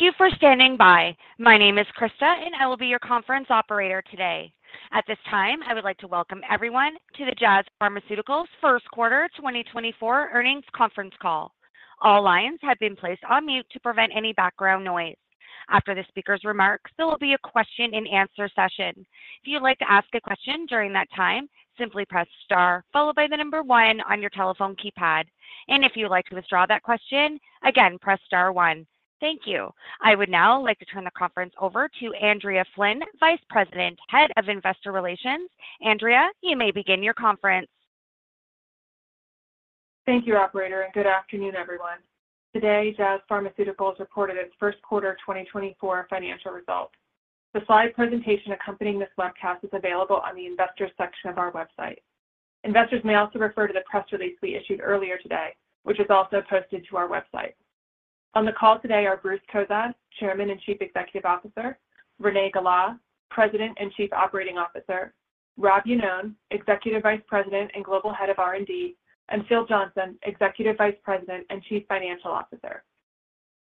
Thank you for standing by. My name is Krista, and I will be your conference operator today. At this time, I would like to welcome everyone to the Jazz Pharmaceuticals First Quarter 2024 Earnings Conference Call. All lines have been placed on mute to prevent any background noise. After the speaker's remarks, there will be a question-and-answer session. If you'd like to ask a question during that time, simply press Star, followed by the number one on your telephone keypad. If you'd like to withdraw that question, again, press Star one. Thank you. I would now like to turn the conference over to Andrea Flynn, Vice President, Head of Investor Relations. Andrea, you may begin your conference. Thank you, operator, and good afternoon, everyone. Today, Jazz Pharmaceuticals reported its first quarter of 2024 financial results. The slide presentation accompanying this webcast is available on the investors section of our website. Investors may also refer to the press release we issued earlier today, which is also posted to our website. On the call today are Bruce Cozadd, Chairman and Chief Executive Officer, Renée Galá, President and Chief Operating Officer, Rob Iannone, Executive Vice President and Global Head of R&D, and Phil Johnson, Executive Vice President and Chief Financial Officer.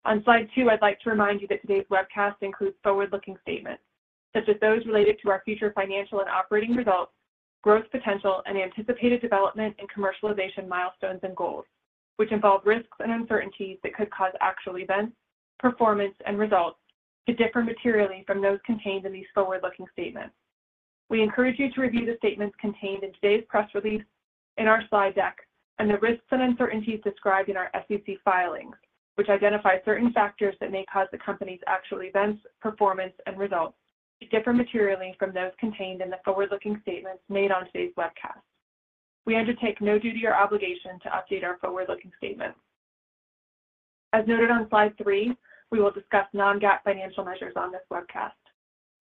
On slide 2, I'd like to remind you that today's webcast includes forward-looking statements, such as those related to our future financial and operating results, growth potential, and anticipated development and commercialization milestones and goals, which involve risks and uncertainties that could cause actual events, performance, and results to differ materially from those contained in these forward-looking statements. We encourage you to review the statements contained in today's press release, in our slide deck, and the risks and uncertainties described in our SEC filings, which identify certain factors that may cause the company's actual events, performance, and results to differ materially from those contained in the forward-looking statements made on today's webcast. We undertake no duty or obligation to update our forward-looking statements. As noted on slide three, we will discuss non-GAAP financial measures on this webcast.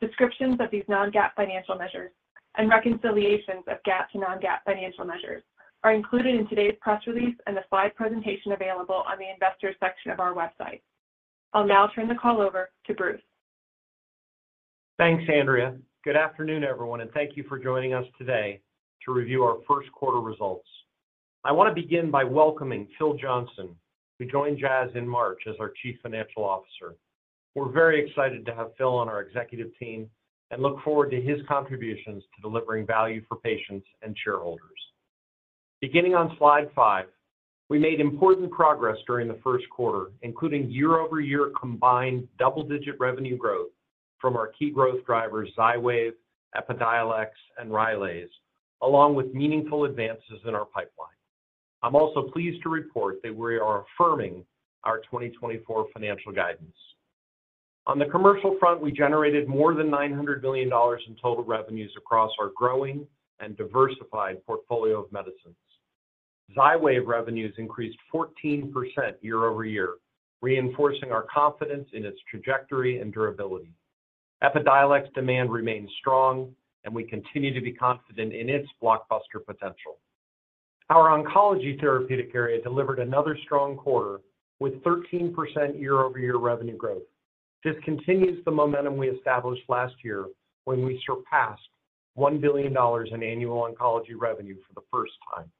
Descriptions of these non-GAAP financial measures and reconciliations of GAAP to non-GAAP financial measures are included in today's press release and the slide presentation available on the investors section of our website. I'll now turn the call over to Bruce. Thanks, Andrea. Good afternoon, everyone, and thank you for joining us today to review our first quarter results. I want to begin by welcoming Phil Johnson, who joined Jazz in March as our Chief Financial Officer. We're very excited to have Phil on our executive team and look forward to his contributions to delivering value for patients and shareholders. Beginning on slide 5, we made important progress during the first quarter, including year-over-year combined double-digit revenue growth from our key growth drivers, Xywav, Epidiolex, and Rylaze, along with meaningful advances in our pipeline. I'm also pleased to report that we are affirming our 2024 financial guidance. On the commercial front, we generated more than $900 million in total revenues across our growing and diversified portfolio of medicines. Xywav revenues increased 14% year-over-year, reinforcing our confidence in its trajectory and durability. Epidiolex demand remains strong, and we continue to be confident in its blockbuster potential. Our oncology therapeutic area delivered another strong quarter with 13% year-over-year revenue growth. This continues the momentum we established last year when we surpassed $1 billion in annual oncology revenue for the first time.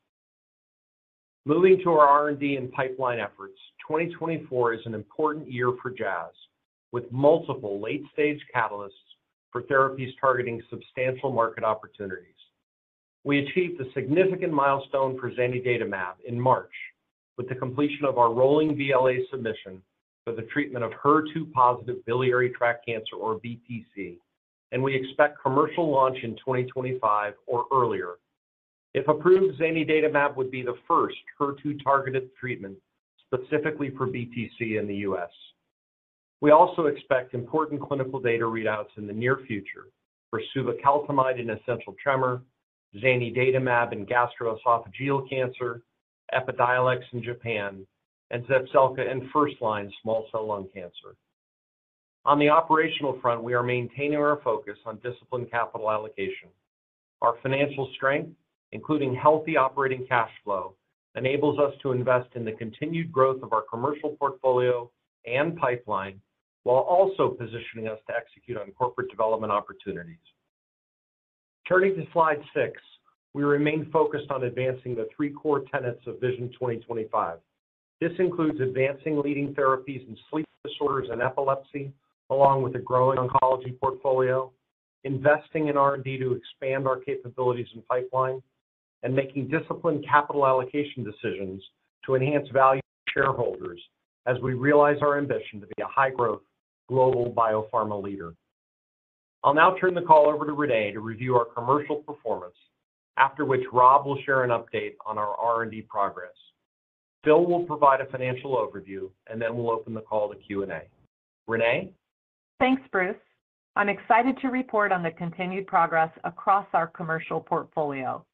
Moving to our R&D and pipeline efforts, 2024 is an important year for Jazz, with multiple late-stage catalysts for therapies targeting substantial market opportunities. We achieved a significant milestone for zanidatamab in March with the completion of our rolling BLA submission for the treatment of HER2 positive biliary tract cancer, or BTC, and we expect commercial launch in 2025 or earlier. If approved, zanidatamab would be the first HER2-targeted treatment specifically for BTC in the U.S. We also expect important clinical data readouts in the near future for suvecaltamide in essential tremor, zanidatamab in gastroesophageal cancer, Epidiolex in Japan, and Zepzelca in first-line small cell lung cancer. On the operational front, we are maintaining our focus on disciplined capital allocation. Our financial strength, including healthy operating cash flow, enables us to invest in the continued growth of our commercial portfolio and pipeline, while also positioning us to execute on corporate development opportunities. Turning to slide 6, we remain focused on advancing the three core tenets of Vision 2025. This includes advancing leading therapies in sleep disorders and epilepsy, along with a growing oncology portfolio, investing in R&D to expand our capabilities and pipeline, and making disciplined capital allocation decisions to enhance value to shareholders as we realize our ambition to be a high-growth global biopharma leader. I'll now turn the call over to Renée to review our commercial performance, after which Rob will share an update on our R&D progress. Phil will provide a financial overview, and then we'll open the call to Q&A. Renée? Thanks, Bruce. I'm excited to report on the continued progress across our commercial portfolio.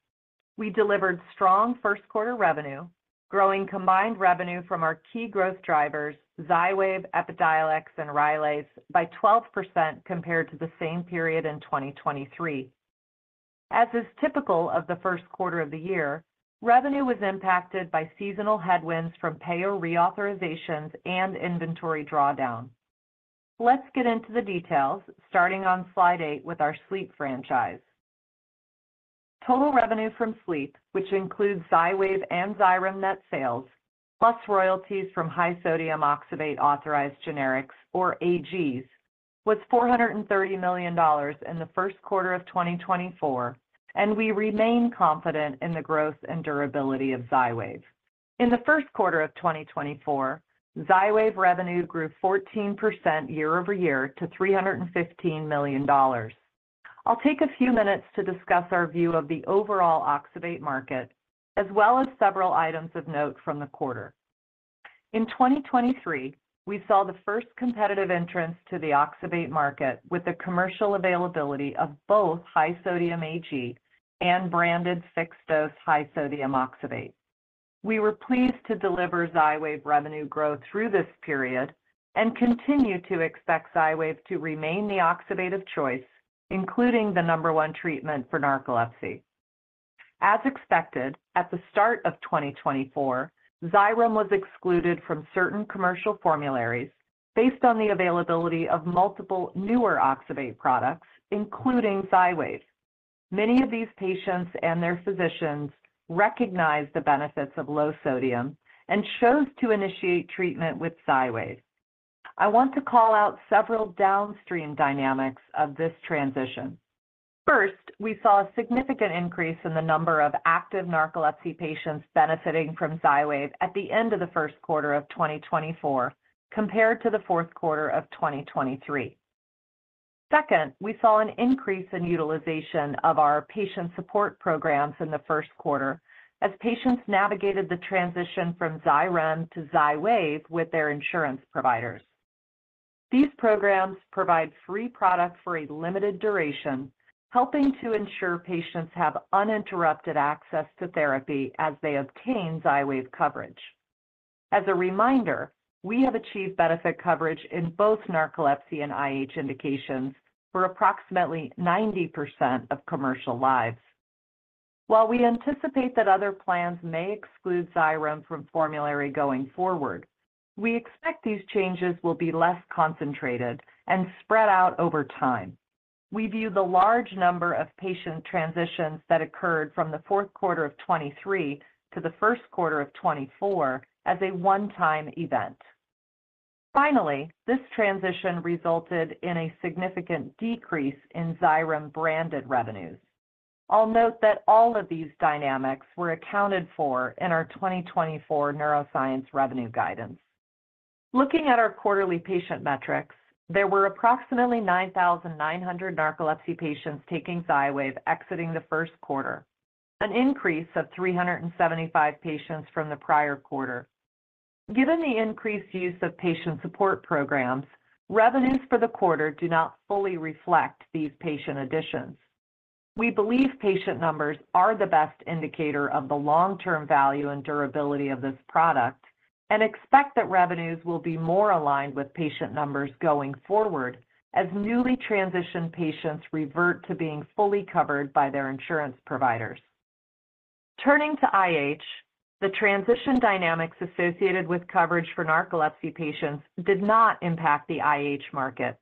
We delivered strong first quarter revenue, growing combined revenue from our key growth drivers, Xywav, Epidiolex, and Rylaze, by 12% compared to the same period in 2023. As is typical of the first quarter of the year, revenue was impacted by seasonal headwinds from payer reauthorizations and inventory drawdown. Let's get into the details, starting on slide 8 with our sleep franchise. ... Total revenue from sleep, which includes Xywav and Xyrem net sales, plus royalties from high sodium oxybate, authorized generics or AGs, was $430 million in the first quarter of 2024, and we remain confident in the growth and durability of Xywav. In the first quarter of 2024, Xywav revenue grew 14% year-over-year to $315 million. I'll take a few minutes to discuss our view of the overall oxybate market, as well as several items of note from the quarter. In 2023, we saw the first competitive entrance to the oxybate market with the commercial availability of both high sodium AG and branded fixed-dose high sodium oxybate. We were pleased to deliver Xywav revenue growth through this period and continue to expect Xywav to remain the oxybate of choice, including the number one treatment for narcolepsy. As expected, at the start of 2024, Xyrem was excluded from certain commercial formularies based on the availability of multiple newer oxybate products, including Xywav. Many of these patients and their physicians recognized the benefits of low sodium and chose to initiate treatment with Xywav. I want to call out several downstream dynamics of this transition. First, we saw a significant increase in the number of active narcolepsy patients benefiting from Xywav at the end of the first quarter of 2024, compared to the fourth quarter of 2023. Second, we saw an increase in utilization of our patient support programs in the first quarter as patients navigated the transition from Xyrem to Xywav with their insurance providers. These programs provide free product for a limited duration, helping to ensure patients have uninterrupted access to therapy as they obtain Xywav coverage. As a reminder, we have achieved benefit coverage in both narcolepsy and IH indications for approximately 90% of commercial lives. While we anticipate that other plans may exclude Xyrem from formulary going forward, we expect these changes will be less concentrated and spread out over time. We view the large number of patient transitions that occurred from the fourth quarter of 2023 to the first quarter of 2024 as a one-time event. Finally, this transition resulted in a significant decrease in Xyrem-branded revenues. I'll note that all of these dynamics were accounted for in our 2024 neuroscience revenue guidance. Looking at our quarterly patient metrics, there were approximately 9,900 narcolepsy patients taking Xywav exiting the first quarter, an increase of 375 patients from the prior quarter. Given the increased use of patient support programs, revenues for the quarter do not fully reflect these patient additions. We believe patient numbers are the best indicator of the long-term value and durability of this product and expect that revenues will be more aligned with patient numbers going forward as newly transitioned patients revert to being fully covered by their insurance providers. Turning to IH, the transition dynamics associated with coverage for narcolepsy patients did not impact the IH market.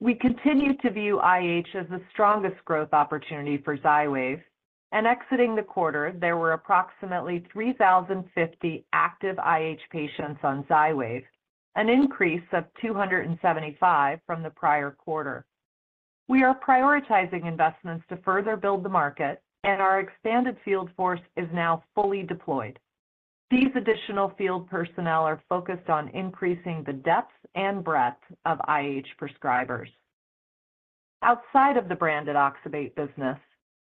We continue to view IH as the strongest growth opportunity for Xywav, and exiting the quarter, there were approximately 3,050 active IH patients on Xywav, an increase of 275 from the prior quarter. We are prioritizing investments to further build the market, and our expanded field force is now fully deployed. These additional field personnel are focused on increasing the depth and breadth of IH prescribers. Outside of the branded oxybate business,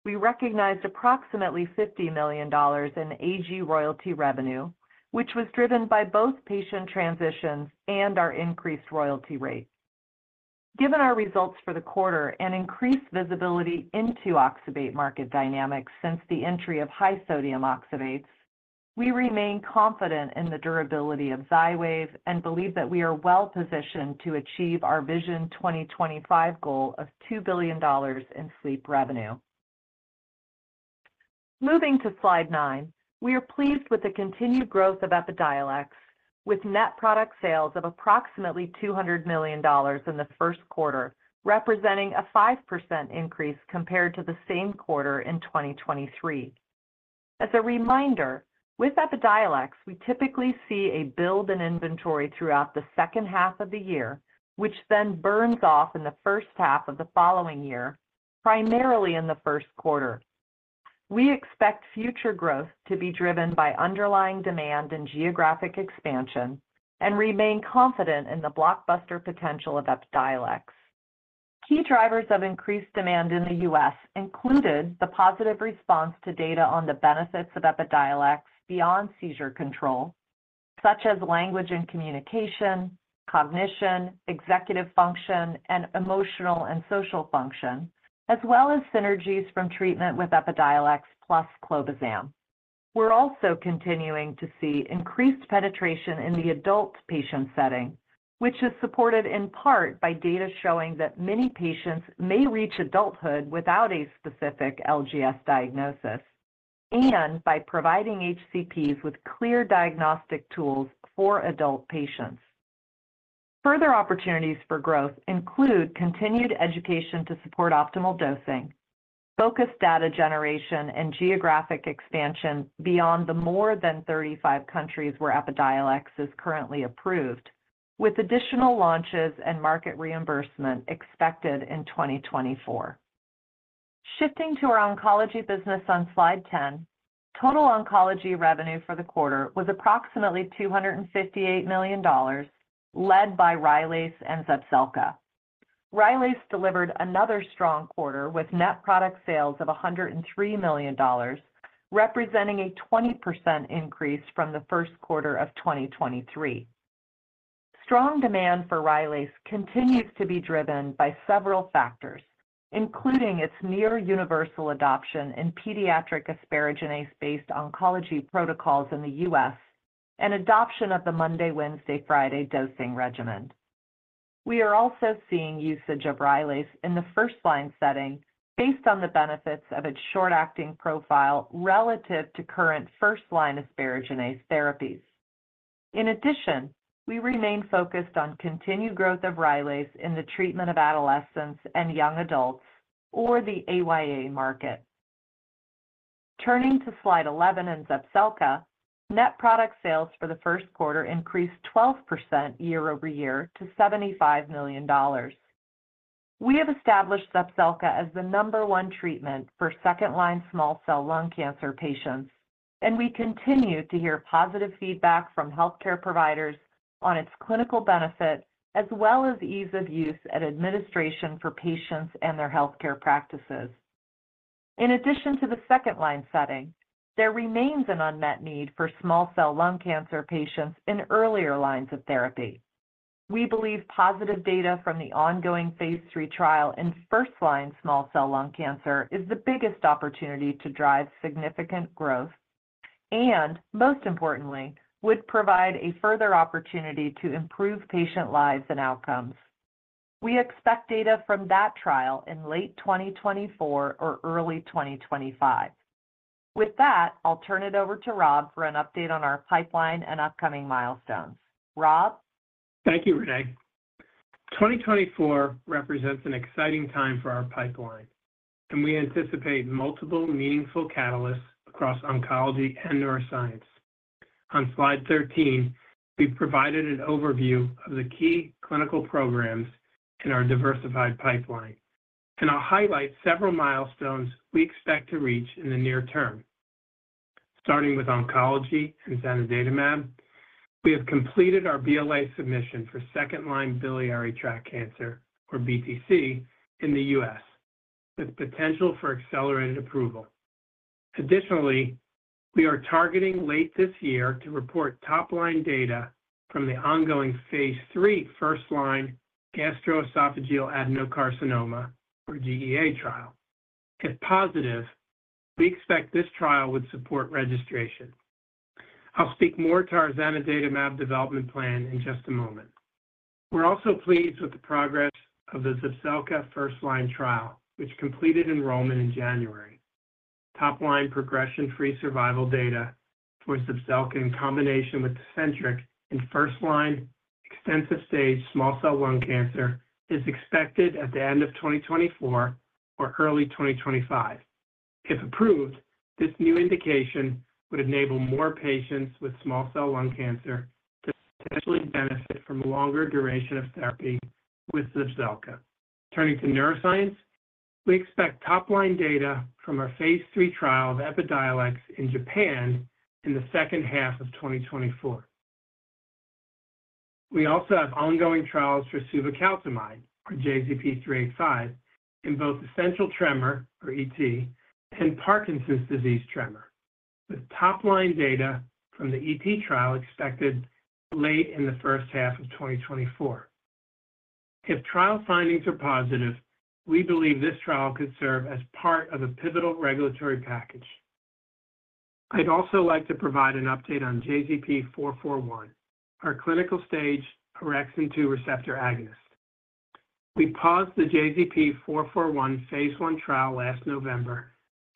we recognized approximately $50 million in AG royalty revenue, which was driven by both patient transitions and our increased royalty rates. Given our results for the quarter and increased visibility into oxybate market dynamics since the entry of high sodium oxybates, we remain confident in the durability of Xywav and believe that we are well positioned to achieve our Vision 2025 goal of $2 billion in sleep revenue. Moving to Slide 9, we are pleased with the continued growth of Epidiolex, with net product sales of approximately $200 million in the first quarter, representing a 5% increase compared to the same quarter in 2023. As a reminder, with Epidiolex, we typically see a build in inventory throughout the second half of the year, which then burns off in the first half of the following year, primarily in the first quarter. We expect future growth to be driven by underlying demand and geographic expansion and remain confident in the blockbuster potential of Epidiolex. Key drivers of increased demand in the U.S. included the positive response to data on the benefits of Epidiolex beyond seizure control, such as language and communication, cognition, executive function, and emotional and social function, as well as synergies from treatment with Epidiolex plus clobazam. We're also continuing to see increased penetration in the adult patient setting, which is supported in part by data showing that many patients may reach adulthood without a specific LGS diagnosis and by providing HCPs with clear diagnostic tools for adult patients.... Further opportunities for growth include continued education to support optimal dosing, focused data generation, and geographic expansion beyond the more than 35 countries where Epidiolex is currently approved, with additional launches and market reimbursement expected in 2024. Shifting to our oncology business on Slide 10, total oncology revenue for the quarter was approximately $258 million, led by Rylaze and Zepzelca. Rylaze delivered another strong quarter, with net product sales of $103 million, representing a 20% increase from the first quarter of 2023. Strong demand for Rylaze continues to be driven by several factors, including its near universal adoption in pediatric asparaginase-based oncology protocols in the U.S., and adoption of the Monday, Wednesday, Friday dosing regimen. We are also seeing usage of Rylaze in the first-line setting based on the benefits of its short-acting profile relative to current first-line asparaginase therapies. In addition, we remain focused on continued growth of Rylaze in the treatment of adolescents and young adults, or the AYA market. Turning to Slide 11 and Zepzelca, net product sales for the first quarter increased 12% year-over-year to $75 million. We have established Zepzelca as the number one treatment for second-line small cell lung cancer patients, and we continue to hear positive feedback from healthcare providers on its clinical benefit, as well as ease of use and administration for patients and their healthcare practices. In addition to the second line setting, there remains an unmet need for small cell lung cancer patients in earlier lines of therapy. We believe positive data from the ongoing phase 3 trial in first-line small cell lung cancer is the biggest opportunity to drive significant growth and, most importantly, would provide a further opportunity to improve patient lives and outcomes. We expect data from that trial in late 2024 or early 2025. With that, I'll turn it over to Rob for an update on our pipeline and upcoming milestones. Rob? Thank you, Renée. 2024 represents an exciting time for our pipeline, and we anticipate multiple meaningful catalysts across oncology and neuroscience. On Slide 13, we've provided an overview of the key clinical programs in our diversified pipeline, and I'll highlight several milestones we expect to reach in the near term. Starting with oncology and zanidatamab, we have completed our BLA submission for second-line biliary tract cancer, or BTC, in the U.S., with potential for accelerated approval. Additionally, we are targeting late this year to report top-line data from the ongoing phase 3 first-line gastroesophageal adenocarcinoma, or GEA trial. If positive, we expect this trial would support registration. I'll speak more to our zanidatamab development plan in just a moment. We're also pleased with the progress of the Zepzelca first-line trial, which completed enrollment in January. Top-line progression-free survival data for Zepzelca in combination with Tecentriq in first-line extensive-stage small cell lung cancer is expected at the end of 2024 or early 2025. If approved, this new indication would enable more patients with small cell lung cancer to potentially benefit from longer duration of therapy with Zepzelca. Turning to neuroscience, we expect top-line data from our phase 3 trial of Epidiolex in Japan in the second half of 2024. We also have ongoing trials for Suvecaltamide, or JZP-385, in both essential tremor, or ET, and Parkinson's disease tremor. The top-line data from the ET trial expected late in the first half of 2024. If trial findings are positive, we believe this trial could serve as part of a pivotal regulatory package. I'd also like to provide an update on JZP-441, our clinical-stage orexin-2 receptor agonist. We paused the JZP-441 phase 1 trial last November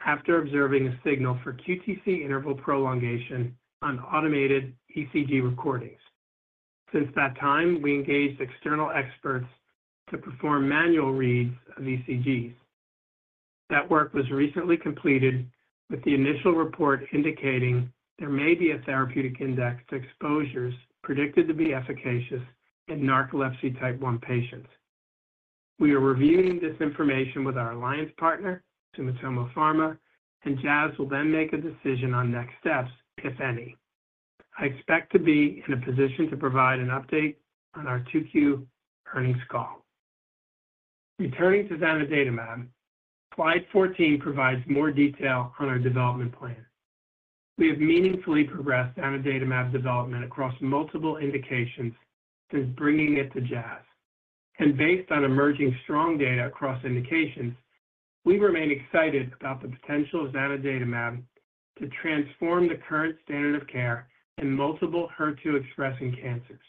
after observing a signal for QTC interval prolongation on automated ECG recordings. Since that time, we engaged external experts to perform manual reads of ECGs. That work was recently completed, with the initial report indicating there may be a therapeutic index to exposures predicted to be efficacious in narcolepsy type 1 patients. We are reviewing this information with our alliance partner, Sumitomo Pharma, and Jazz will then make a decision on next steps, if any. I expect to be in a position to provide an update on our 2Q earnings call. Returning to zanidatamab, Slide 14 provides more detail on our development plan. We have meaningfully progressed zanidatamab development across multiple indications since bringing it to Jazz, and based on emerging strong data across indications, we remain excited about the potential of zanidatamab to transform the current standard of care in multiple HER2 expressing cancers.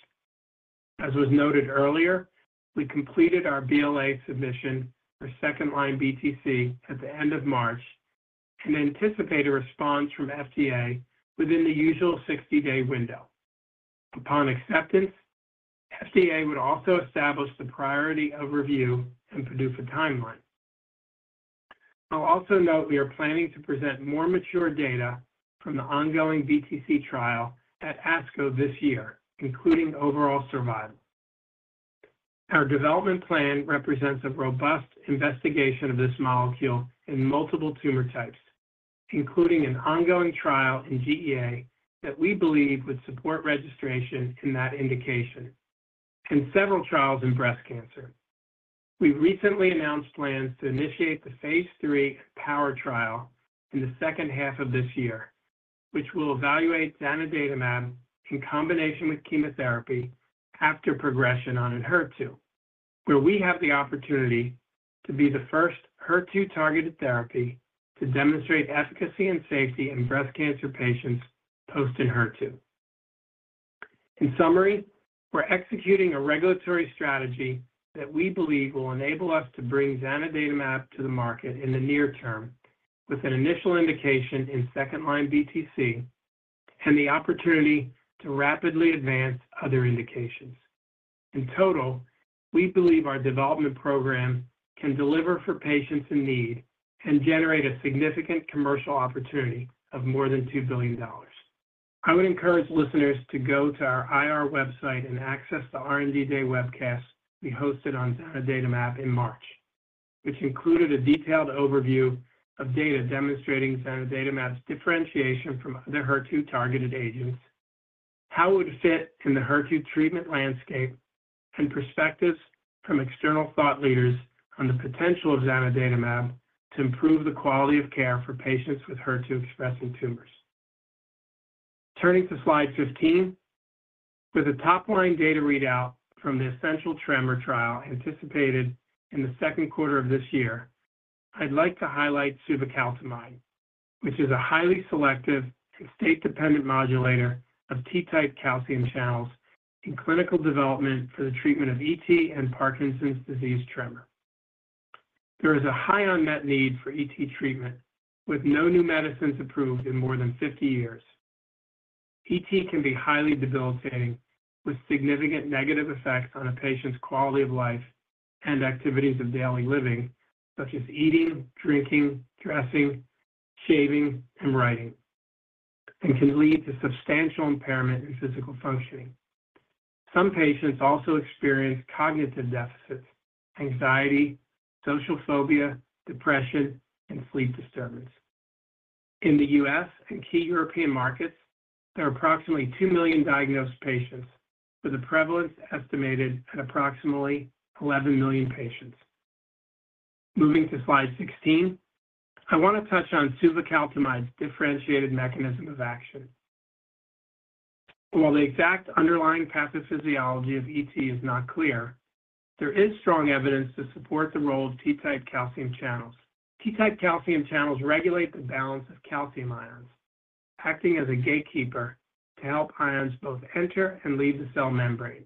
As was noted earlier, we completed our BLA submission for second-line BTC at the end of March, and anticipate a response from FDA within the usual 60-day window. Upon acceptance, FDA would also establish the priority of review and produce a timeline. I'll also note we are planning to present more mature data from the ongoing BTC trial at ASCO this year, including overall survival. Our development plan represents a robust investigation of this molecule in multiple tumor types, including an ongoing trial in GEA that we believe would support registration in that indication, and several trials in breast cancer. We recently announced plans to initiate the Phase 3 EmpowHer trial in the second half of this year, which will evaluate Zanidatamab in combination with chemotherapy after progression on Enhertu, where we have the opportunity to be the first HER2-targeted therapy to demonstrate efficacy and safety in breast cancer patients post Enhertu. In summary, we're executing a regulatory strategy that we believe will enable us to bring Zanidatamab to the market in the near term, with an initial indication in second-line BTC and the opportunity to rapidly advance other indications. In total, we believe our development program can deliver for patients in need and generate a significant commercial opportunity of more than $2 billion. I would encourage listeners to go to our IR website and access the R&D Day webcast we hosted on Zanidatamab in March, which included a detailed overview of data demonstrating Zanidatamab's differentiation from other HER2-targeted agents, how it would fit in the HER2 treatment landscape, and perspectives from external thought leaders on the potential of Zanidatamab to improve the quality of care for patients with HER2-expressing tumors. Turning to slide 15, with a top-line data readout from the essential tremor trial anticipated in the second quarter of this year, I'd like to highlight suvecaltamide, which is a highly selective and state-dependent modulator of T-type calcium channels in clinical development for the treatment of ET and Parkinson's disease tremor. There is a high unmet need for ET treatment, with no new medicines approved in more than 50 years. ET can be highly debilitating, with significant negative effects on a patient's quality of life and activities of daily living, such as eating, drinking, dressing, shaving, and writing, and can lead to substantial impairment in physical functioning. Some patients also experience cognitive deficits, anxiety, social phobia, depression, and sleep disturbance. In the U.S. and key European markets, there are approximately 2 million diagnosed patients, with a prevalence estimated at approximately 11 million patients. Moving to slide 16, I want to touch on suvecaltamide's differentiated mechanism of action. While the exact underlying pathophysiology of ET is not clear, there is strong evidence to support the role of T-type calcium channels. T-type calcium channels regulate the balance of calcium ions, acting as a gatekeeper to help ions both enter and leave the cell membrane.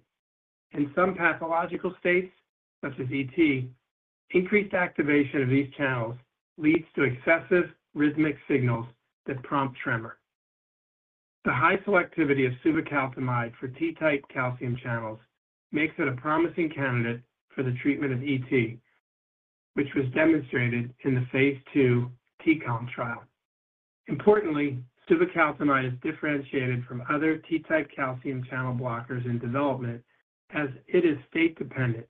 In some pathological states, such as ET, increased activation of these channels leads to excessive rhythmic signals that prompt tremor. The high selectivity of suvecaltamide for T-type calcium channels makes it a promising candidate for the treatment of ET, which was demonstrated in the Phase 2 TCALM trial. Importantly, suvecaltamide is differentiated from other T-type calcium channel blockers in development as it is state-dependent,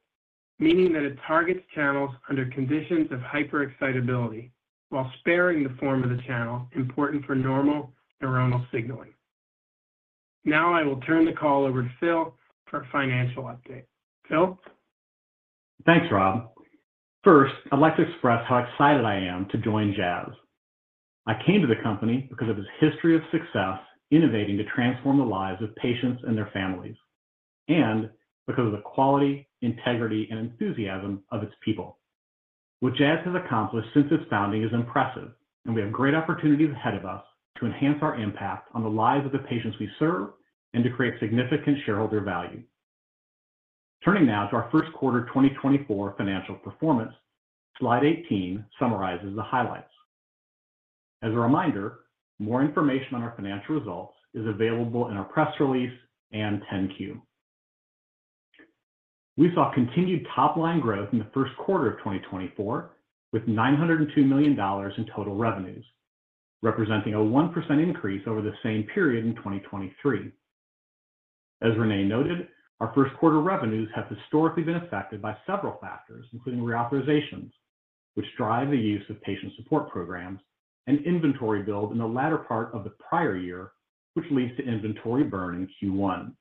meaning that it targets channels under conditions of hyperexcitability while sparing the form of the channel important for normal neuronal signaling. Now, I will turn the call over to Phil for a financial update. Phil? Thanks, Rob. First, I'd like to express how excited I am to join Jazz. I came to the company because of its history of success, innovating to transform the lives of patients and their families, and because of the quality, integrity, and enthusiasm of its people. What Jazz has accomplished since its founding is impressive, and we have great opportunities ahead of us to enhance our impact on the lives of the patients we serve and to create significant shareholder value. Turning now to our first quarter 2024 financial performance, slide 18 summarizes the highlights. As a reminder, more information on our financial results is available in our press release and 10-Q. We saw continued top-line growth in the first quarter of 2024, with $902 million in total revenues, representing a 1% increase over the same period in 2023. As Renée noted, our first quarter revenues have historically been affected by several factors, including reauthorizations, which drive the use of patient support programs and inventory build in the latter part of the prior year, which leads to inventory burn in Q1.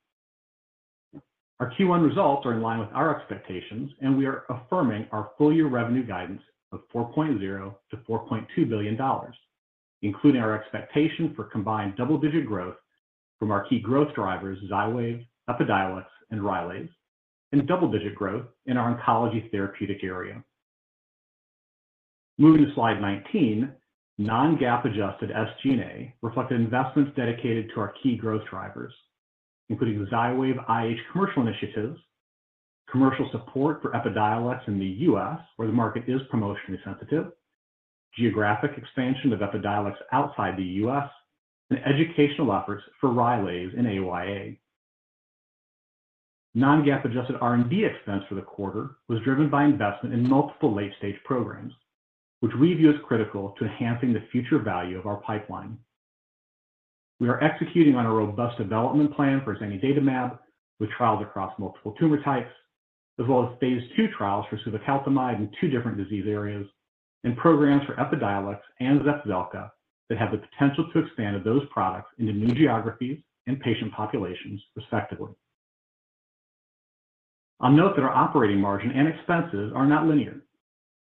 Our Q1 results are in line with our expectations, and we are affirming our full-year revenue guidance of $4.0 billion-$4.2 billion, including our expectation for combined double-digit growth from our key growth drivers, Xywav, Epidiolex, and Rylaze, and double-digit growth in our oncology therapeutic area. Moving to slide 19, non-GAAP adjusted SG&A reflected investments dedicated to our key growth drivers, including the Xywav IH commercial initiatives, commercial support for Epidiolex in the U.S., where the market is promotionally sensitive, geographic expansion of Epidiolex outside the U.S., and educational efforts for Rylaze in AYA. Non-GAAP-adjusted R&D expense for the quarter was driven by investment in multiple late-stage programs, which we view as critical to enhancing the future value of our pipeline. We are executing on a robust development plan for Zanidatamab, with trials across multiple tumor types, as well as phase 2 trials for suvecaltamide and two different disease areas, and programs for Epidiolex and Zepzelca that have the potential to expand those products into new geographies and patient populations respectively. I'll note that our operating margin and expenses are not linear,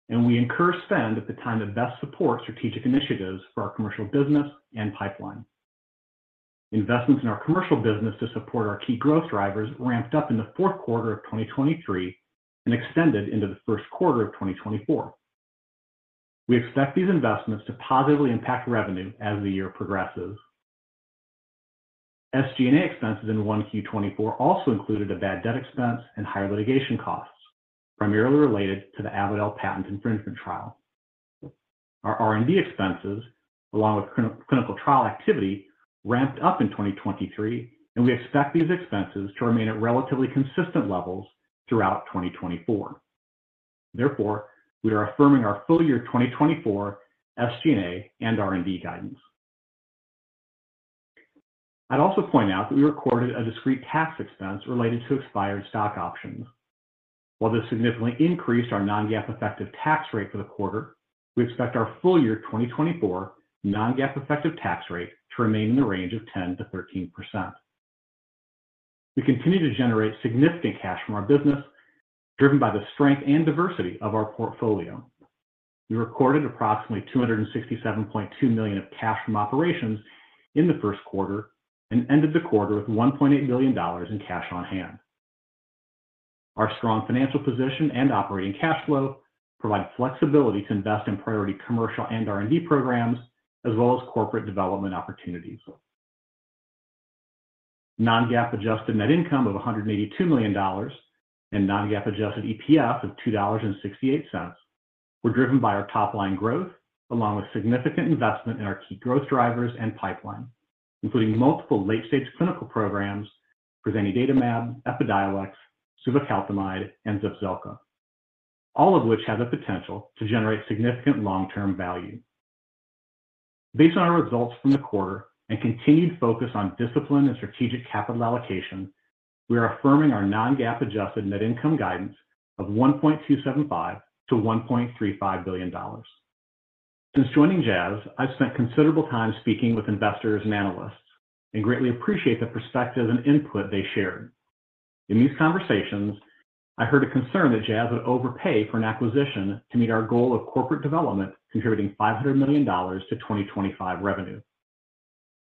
and we incur spend at the time that best supports strategic initiatives for our commercial business and pipeline. Investments in our commercial business to support our key growth drivers ramped up in the fourth quarter of 2023 and extended into the first quarter of 2024. We expect these investments to positively impact revenue as the year progresses. SG&A expenses in 1Q 2024 also included a bad debt expense and higher litigation costs, primarily related to the Avadel patent infringement trial. Our R&D expenses, along with clinical trial activity, ramped up in 2023, and we expect these expenses to remain at relatively consistent levels throughout 2024. Therefore, we are affirming our full-year 2024 SG&A and R&D guidance. I'd also point out that we recorded a discrete tax expense related to expired stock options. While this significantly increased our non-GAAP effective tax rate for the quarter, we expect our full-year 2024 non-GAAP effective tax rate to remain in the range of 10%-13%. We continue to generate significant cash from our business, driven by the strength and diversity of our portfolio. We recorded approximately $267.2 million of cash from operations in the first quarter and ended the quarter with $1.8 billion in cash on hand. Our strong financial position and operating cash flow provide flexibility to invest in priority commercial and R&D programs, as well as corporate development opportunities. Non-GAAP adjusted net income of $182 million and non-GAAP adjusted EPS of $2.68 were driven by our top-line growth, along with significant investment in our key growth drivers and pipeline, including multiple late-stage clinical programs for zanidatamab, Epidiolex, suvecaltamide, and Zepzelca, all of which have the potential to generate significant long-term value. Based on our results from the quarter and continued focus on discipline and strategic capital allocation, we are affirming our Non-GAAP adjusted net income guidance of $1.275 billion-$1.35 billion. Since joining Jazz, I've spent considerable time speaking with investors and analysts and greatly appreciate the perspective and input they shared. In these conversations, I heard a concern that Jazz would overpay for an acquisition to meet our goal of corporate development, contributing $500 million to 2025 revenue.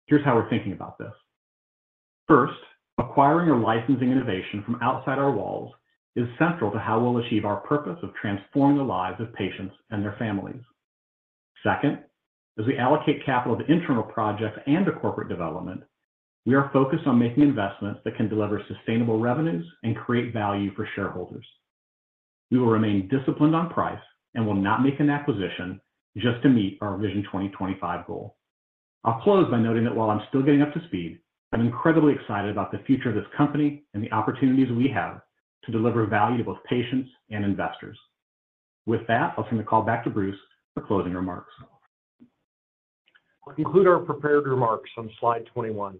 Here's how we're thinking about this. First, acquiring or licensing innovation from outside our walls is central to how we'll achieve our purpose of transforming the lives of patients and their families. Second, as we allocate capital to internal projects and to corporate development, we are focused on making investments that can deliver sustainable revenues and create value for shareholders. We will remain disciplined on price and will not make an acquisition just to meet our Vision 2025 goal. I'll close by noting that while I'm still getting up to speed, I'm incredibly excited about the future of this company and the opportunities we have to deliver value to both patients and investors. With that, I'll turn the call back to Bruce for closing remarks. We'll conclude our prepared remarks on slide 21.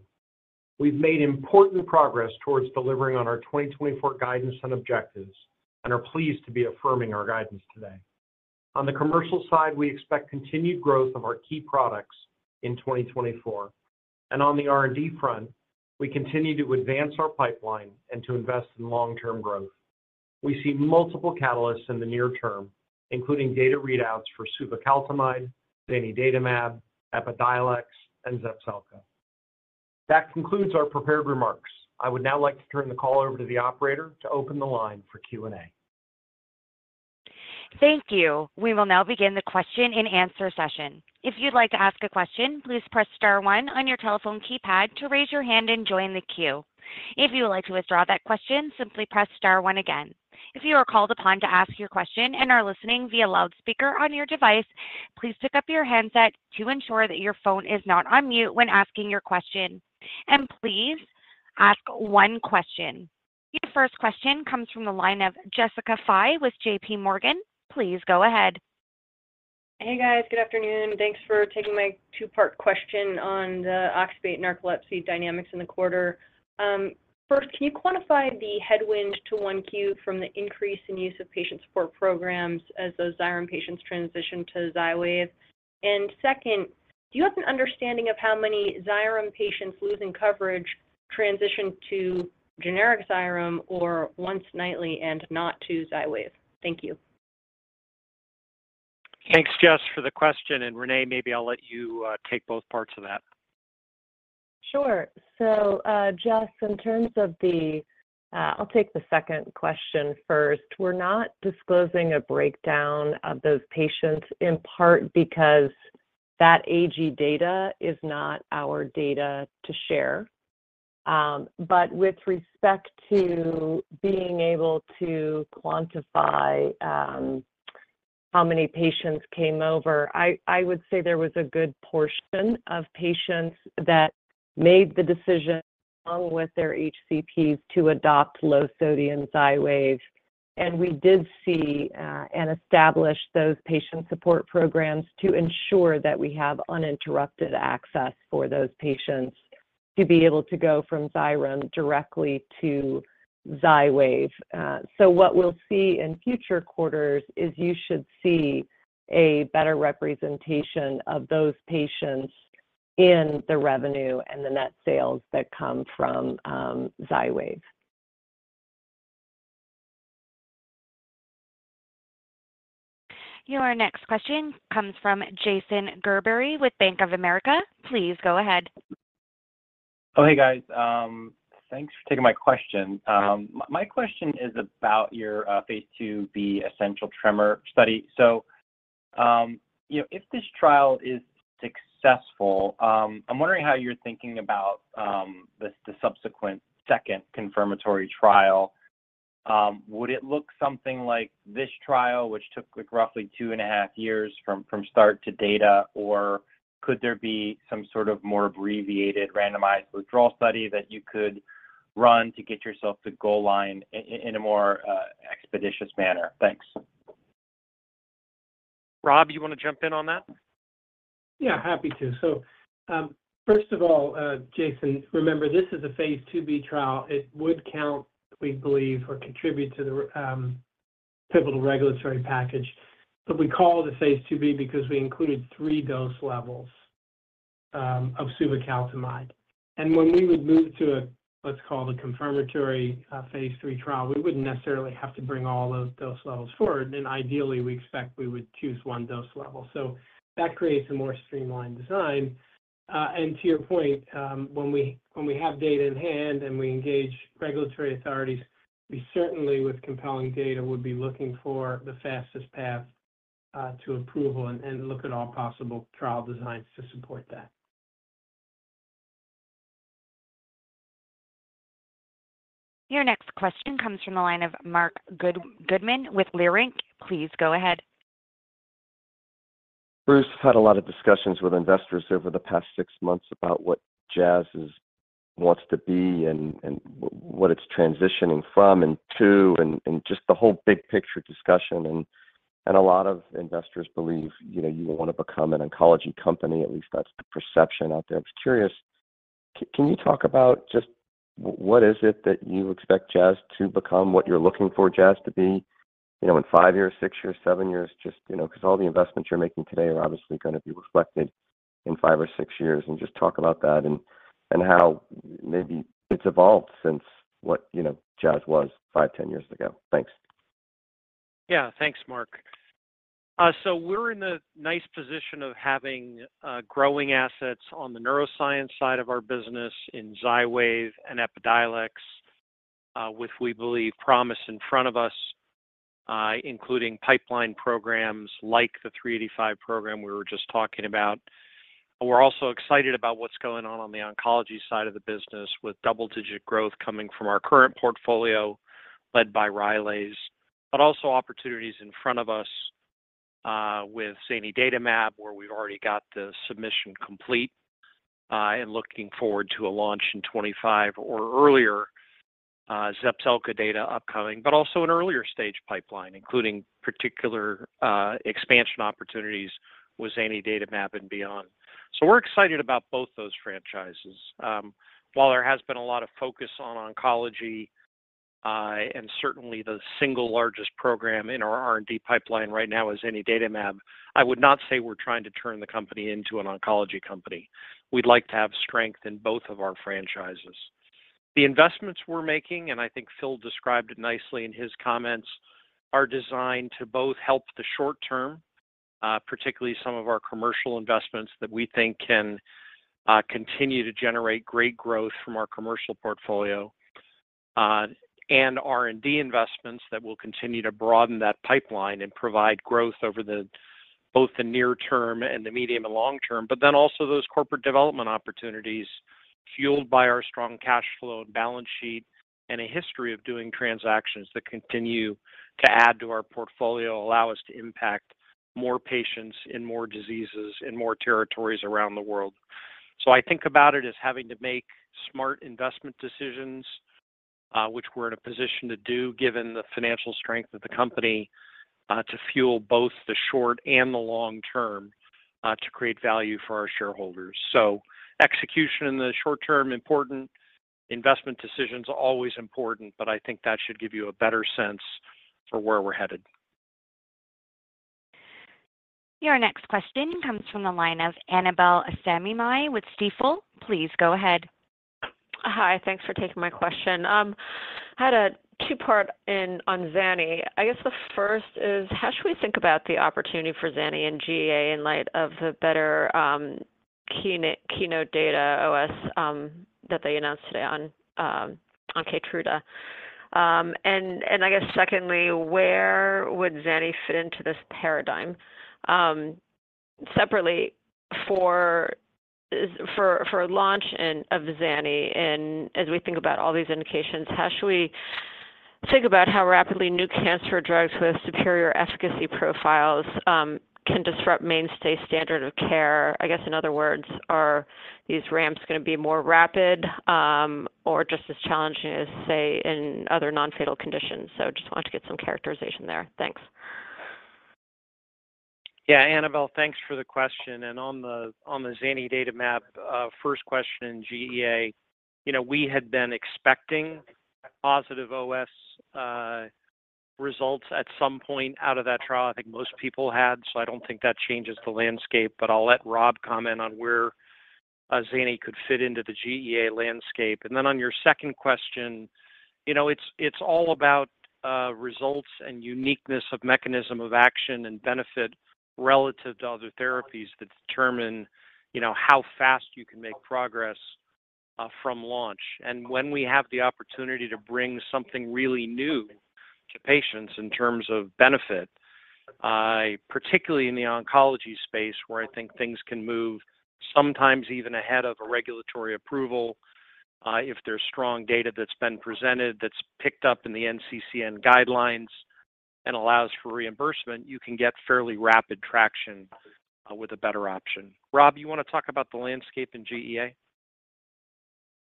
We've made important progress towards delivering on our 2024 guidance and objectives and are pleased to be affirming our guidance today. On the commercial side, we expect continued growth of our key products in 2024, and on the R&D front, we continue to advance our pipeline and to invest in long-term growth. We see multiple catalysts in the near term, including data readouts for suvecaltamide, zanidatamab, Epidiolex, and Zepzelca. That concludes our prepared remarks. I would now like to turn the call over to the operator to open the line for Q&A. Thank you. We will now begin the question-and-answer session. If you'd like to ask a question, please press star one on your telephone keypad to raise your hand and join the queue. If you would like to withdraw that question, simply press star one again. If you are called upon to ask your question and are listening via loudspeaker on your device, please pick up your handset to ensure that your phone is not on mute when asking your question, and please ask one question. The first question comes from the line of Jessica Fye with J.P. Morgan. Please go ahead. Hey, guys. Good afternoon. Thanks for taking my two-part question on the oxybate narcolepsy dynamics in the quarter. First, can you quantify the headwind to 1Q from the increase in use of patient support programs as those Xyrem patients transition to Xywav? And second, do you have an understanding of how many Xyrem patients losing coverage transition to generic Xyrem or once nightly and not to Xywav? Thank you. Thanks, Jess, for the question, and Renée, maybe I'll let you take both parts of that. Sure. So, Jess, in terms of the... I'll take the second question first. We're not disclosing a breakdown of those patients, in part because that AG data is not our data to share. But with respect to being able to quantify how many patients came over, I would say there was a good portion of patients that made the decision, along with their HCPs, to adopt low-sodium Xywav. And we did see and establish those patient support programs to ensure that we have uninterrupted access for those patients to be able to go from Xyrem directly to Xywav. So what we'll see in future quarters is you should see a better representation of those patients in the revenue and the net sales that come from Xywav. Your next question comes from Jason Gerberry with Bank of America. Please go ahead. Oh, hey, guys. Thanks for taking my question. My question is about your phase 2b essential tremor study. So, you know, if this trial is successful, I'm wondering how you're thinking about the subsequent second confirmatory trial. Would it look something like this trial, which took, like, roughly 2.5 years from start to data, or could there be some sort of more abbreviated, randomized withdrawal study that you could run to get yourself to goal line in a more expeditious manner? Thanks. Rob, you want to jump in on that? Yeah, happy to. So, first of all, Jason, remember, this is a Phase IIb trial. It would count, we believe, or contribute to the pivotal regulatory package. But we call it a Phase IIb because we included three dose levels of suvecaltamide. And when we would move to what's called a confirmatory Phase III trial, we wouldn't necessarily have to bring all those dose levels forward, and ideally, we expect we would choose one dose level. So that creates a more streamlined design. And to your point, when we have data in hand and we engage regulatory authorities, we certainly, with compelling data, would be looking for the fastest path to approval and look at all possible trial designs to support that. Your next question comes from the line of Marc Goodman with Leerink. Please go ahead. Bruce, I've had a lot of discussions with investors over the past 6 months about what Jazz is, wants to be and what it's transitioning from and to, and just the whole big picture discussion. A lot of investors believe, you know, you want to become an oncology company. At least that's the perception out there. I was curious, can you talk about just what is it that you expect Jazz to become? What you're looking for Jazz to be, you know, in 5 years, 6 years, 7 years? Just, you know, because all the investments you're making today are obviously going to be reflected in 5 or 6 years. Just talk about that and how maybe it's evolved since what, you know, Jazz was 5, 10 years ago. Thanks. Yeah. Thanks, Marc. So we're in a nice position of having growing assets on the neuroscience side of our business in Xywav and Epidiolex, with we believe promise in front of us, including pipeline programs like the 385 program we were just talking about. We're also excited about what's going on on the oncology side of the business, with double-digit growth coming from our current portfolio, led by Rylaze, but also opportunities in front of us with zanidatamab, where we've already got the submission complete and looking forward to a launch in 2025 or earlier, Zepzelca data upcoming, but also an earlier stage pipeline, including particular expansion opportunities with zanidatamab and beyond. So we're excited about both those franchises. While there has been a lot of focus on oncology, and certainly the single largest program in our R&D pipeline right now is zanidatamab, I would not say we're trying to turn the company into an oncology company. We'd like to have strength in both of our franchises. The investments we're making, and I think Phil described it nicely in his comments, are designed to both help the short term, particularly some of our commercial investments that we think can continue to generate great growth from our commercial portfolio, and R&D investments that will continue to broaden that pipeline and provide growth over both the near term and the medium and long term. But then also those corporate development opportunities, fueled by our strong cash flow and balance sheet and a history of doing transactions that continue to add to our portfolio, allow us to impact more patients in more diseases in more territories around the world. So I think about it as having to make smart investment decisions, which we're in a position to do, given the financial strength of the company, to fuel both the short and the long term, to create value for our shareholders. So execution in the short term, important. Investment decisions, always important. But I think that should give you a better sense for where we're headed. Your next question comes from the line of Annabel Samimy with Stifel. Please go ahead. Hi, thanks for taking my question. I had a two-part question on Zanidatamab. I guess the first is, how should we think about the opportunity for Zanidatamab and GEA in light of the better KEYNOTE, KEYNOTE data OS that they announced today on Keytruda?... I guess secondly, where would Zani fit into this paradigm? Separately for launch and of Zani, and as we think about all these indications, how should we think about how rapidly new cancer drugs with superior efficacy profiles can disrupt mainstay standard of care? I guess, in other words, are these ramps going to be more rapid or just as challenging as, say, in other non-fatal conditions? So just want to get some characterization there. Thanks. Yeah, Annabel, thanks for the question. And on the zanidatamab, first question, GEA, you know, we had been expecting positive OS results at some point out of that trial. I think most people had, so I don't think that changes the landscape, but I'll let Rob comment on where zanidatamab could fit into the GEA landscape. And then on your second question, you know, it's all about results and uniqueness of mechanism of action and benefit relative to other therapies that determine, you know, how fast you can make progress from launch. And when we have the opportunity to bring something really new to patients in terms of benefit, I particularly in the oncology space, where I think things can move sometimes even ahead of a regulatory approval, if there's strong data that's been presented, that's picked up in the NCCN guidelines and allows for reimbursement, you can get fairly rapid traction with a better option. Rob, you want to talk about the landscape in GEA?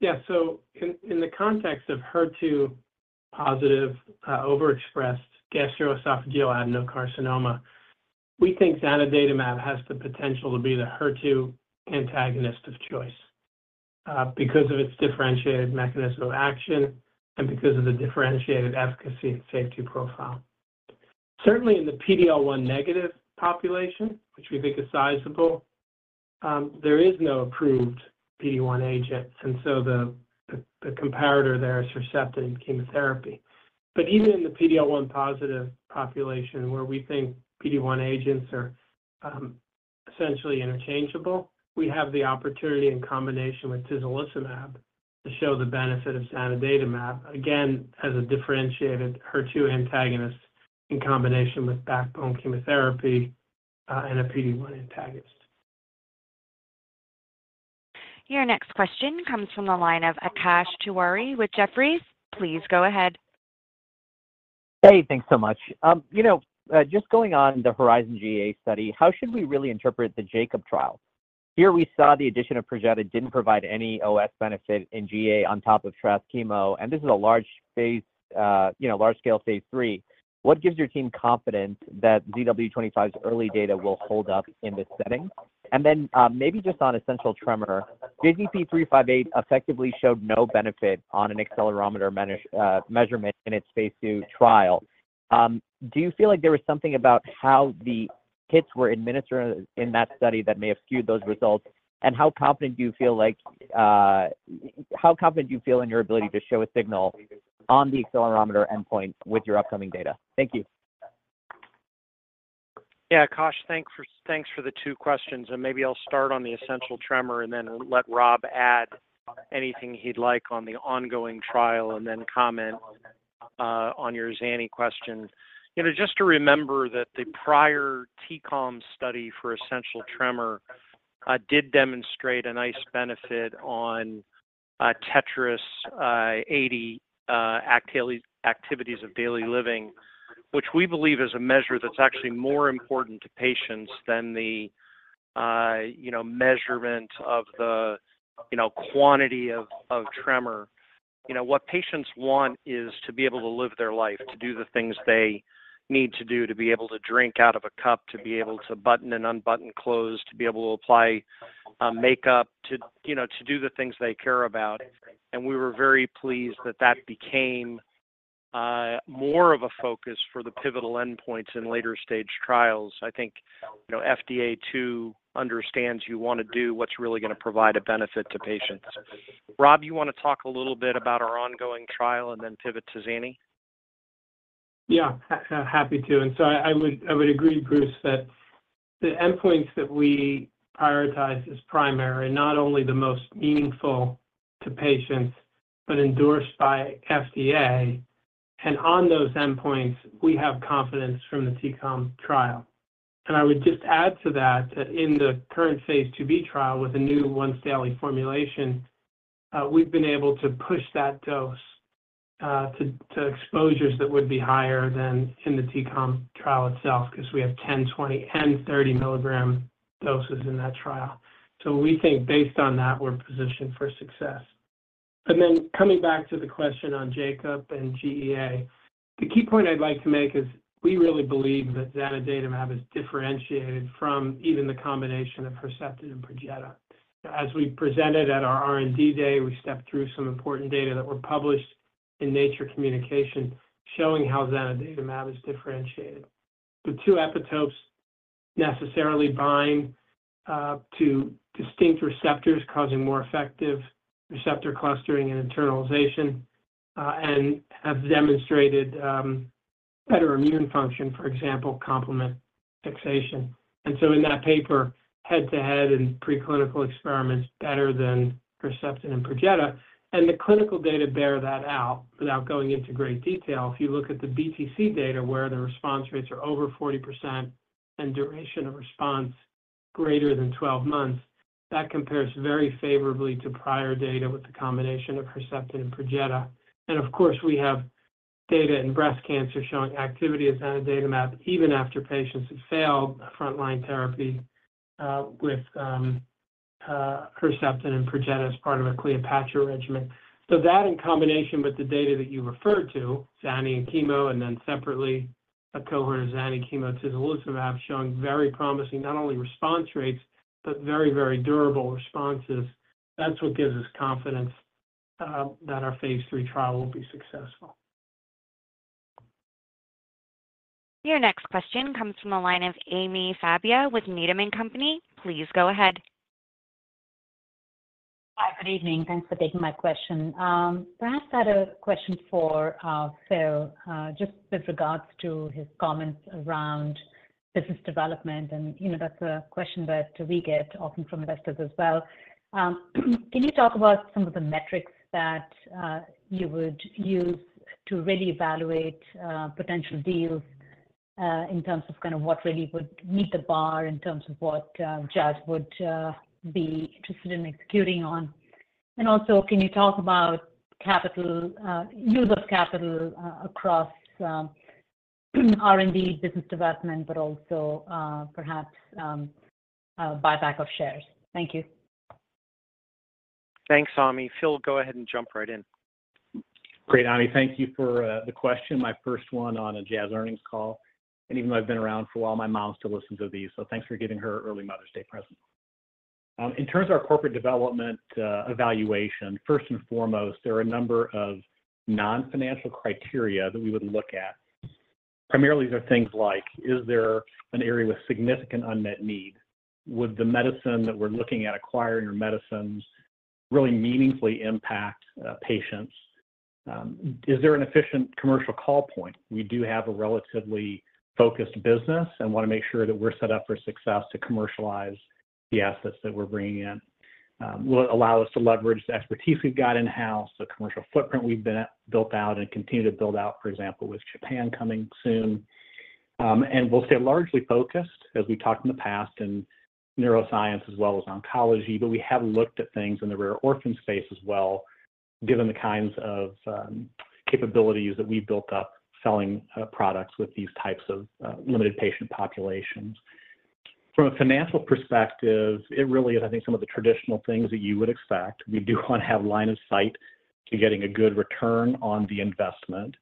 Yeah. So in the context of HER2-positive overexpressed gastroesophageal adenocarcinoma, we think zanidatamab has the potential to be the HER2 antagonist of choice because of its differentiated mechanism of action and because of the differentiated efficacy and safety profile. Certainly in the PD-L1 negative population, which we think is sizable, there is no approved PD-L1 agent, and so the comparator there is Herceptin chemotherapy. But even in the PD-L1 positive population, where we think PD-L1 agents are essentially interchangeable, we have the opportunity in combination with Tislelizumab to show the benefit of zanidatamab, again, as a differentiated HER2 antagonist in combination with backbone chemotherapy and a PD-L1 antagonist. Your next question comes from the line of Akash Tewari with Jefferies. Please go ahead. Hey, thanks so much. You know, just going on the HERIZON-GEA study, how should we really interpret the JACOB trial? Here we saw the addition of Perjeta didn't provide any OS benefit in GEA on top of chemo, and this is a large phase, you know, large-scale phase 3. What gives your team confidence that ZW25's early data will hold up in this setting? And then, maybe just on essential tremor, JZP-358 effectively showed no benefit on an accelerometer-based measurement in its phase 2 trial. Do you feel like there was something about how the hits were administered in that study that may have skewed those results? And how confident do you feel like, how confident do you feel in your ability to show a signal on the accelerometer endpoint with your upcoming data? Thank you. Yeah, Akash, thanks for, thanks for the two questions, and maybe I'll start on the essential tremor and then let Rob add anything he'd like on the ongoing trial, and then comment on your Zani question. You know, just to remember that the prior T-CALM study for essential tremor did demonstrate a nice benefit on TETRAS-ADL activities of daily living, which we believe is a measure that's actually more important to patients than the, you know, measurement of the, you know, quantity of tremor. You know, what patients want is to be able to live their life, to do the things they need to do, to be able to drink out of a cup, to be able to button and unbutton clothes, to be able to apply makeup, to, you know, to do the things they care about. We were very pleased that that became more of a focus for the pivotal endpoints in later stage trials. I think, you know, FDA, too, understands you want to do what's really going to provide a benefit to patients. Rob, you want to talk a little bit about our ongoing trial and then pivot to Zani? Yeah, happy to. So I would, I would agree, Bruce, that the endpoints that we prioritize as primary are not only the most meaningful to patients, but endorsed by FDA. On those endpoints, we have confidence from the T-CALM trial. I would just add to that, that in the current phase 2b trial with a new once-daily formulation, we've been able to push that dose to exposures that would be higher than in the T-CALM trial itself because we have 10, 20, 30 milligram doses in that trial. So we think based on that, we're positioned for success. Then coming back to the question on JACOB and GEA, the key point I'd like to make is we really believe that zanidatamab is differentiated from even the combination of Herceptin and Perjeta. As we presented at our R&D day, we stepped through some important data that were published in Nature Communications, showing how zanidatamab is differentiated. The two epitopes necessarily bind to distinct receptors, causing more effective receptor clustering and internalization, and have demonstrated better immune function, for example, complement fixation. So in that paper, head-to-head and preclinical experiments better than Herceptin and Perjeta. The clinical data bear that out without going into great detail. If you look at the BTC data, where the response rates are over 40% and duration of response greater than 12 months, that compares very favorably to prior data with the combination of Herceptin and Perjeta. Of course, we have data in breast cancer showing activity as monotherapy, even after patients have failed frontline therapy with Herceptin and Perjeta as part of a Cleopatra regimen. So that in combination with the data that you referred to, zanidatamab and chemo, and then separately, a cohort of zanidatamab chemo tislelizumab, showing very promising, not only response rates, but very, very durable responses. That's what gives us confidence that our phase 3 trial will be successful. Your next question comes from the line of Ami Fadia with Needham & Company. Please go ahead. Hi, good evening. Thanks for taking my question. Perhaps I had a question for Phil, just with regards to his comments around business development, and, you know, that's a question that we get often from investors as well. Can you talk about some of the metrics that you would use to really evaluate potential deals, in terms of kind of what really would meet the bar in terms of what Jazz would be interested in executing on? And also, can you talk about capital use of capital across R&D business development, but also perhaps buyback of shares? Thank you. Thanks, Ami. Phil, go ahead and jump right in. Great, Ami. Thank you for the question, my first one on a Jazz earnings call. Even though I've been around for a while, my mom still listens to these, so thanks for giving her early Mother's Day present. In terms of our corporate development evaluation, first and foremost, there are a number of non-financial criteria that we would look at. Primarily, they're things like, is there an area with significant unmet need? Would the medicine that we're looking at acquiring or medicines really meaningfully impact patients? Is there an efficient commercial call point? We do have a relatively focused business and wanna make sure that we're set up for success to commercialize the assets that we're bringing in. Will it allow us to leverage the expertise we've got in-house, the commercial footprint we've been at, built out and continue to build out, for example, with Japan coming soon. And we'll stay largely focused, as we talked in the past, in neuroscience as well as oncology, but we have looked at things in the rare orphan space as well, given the kinds of capabilities that we've built up selling products with these types of limited patient populations. From a financial perspective, it really is, I think, some of the traditional things that you would expect. We do want to have line of sight to getting a good return on the investment.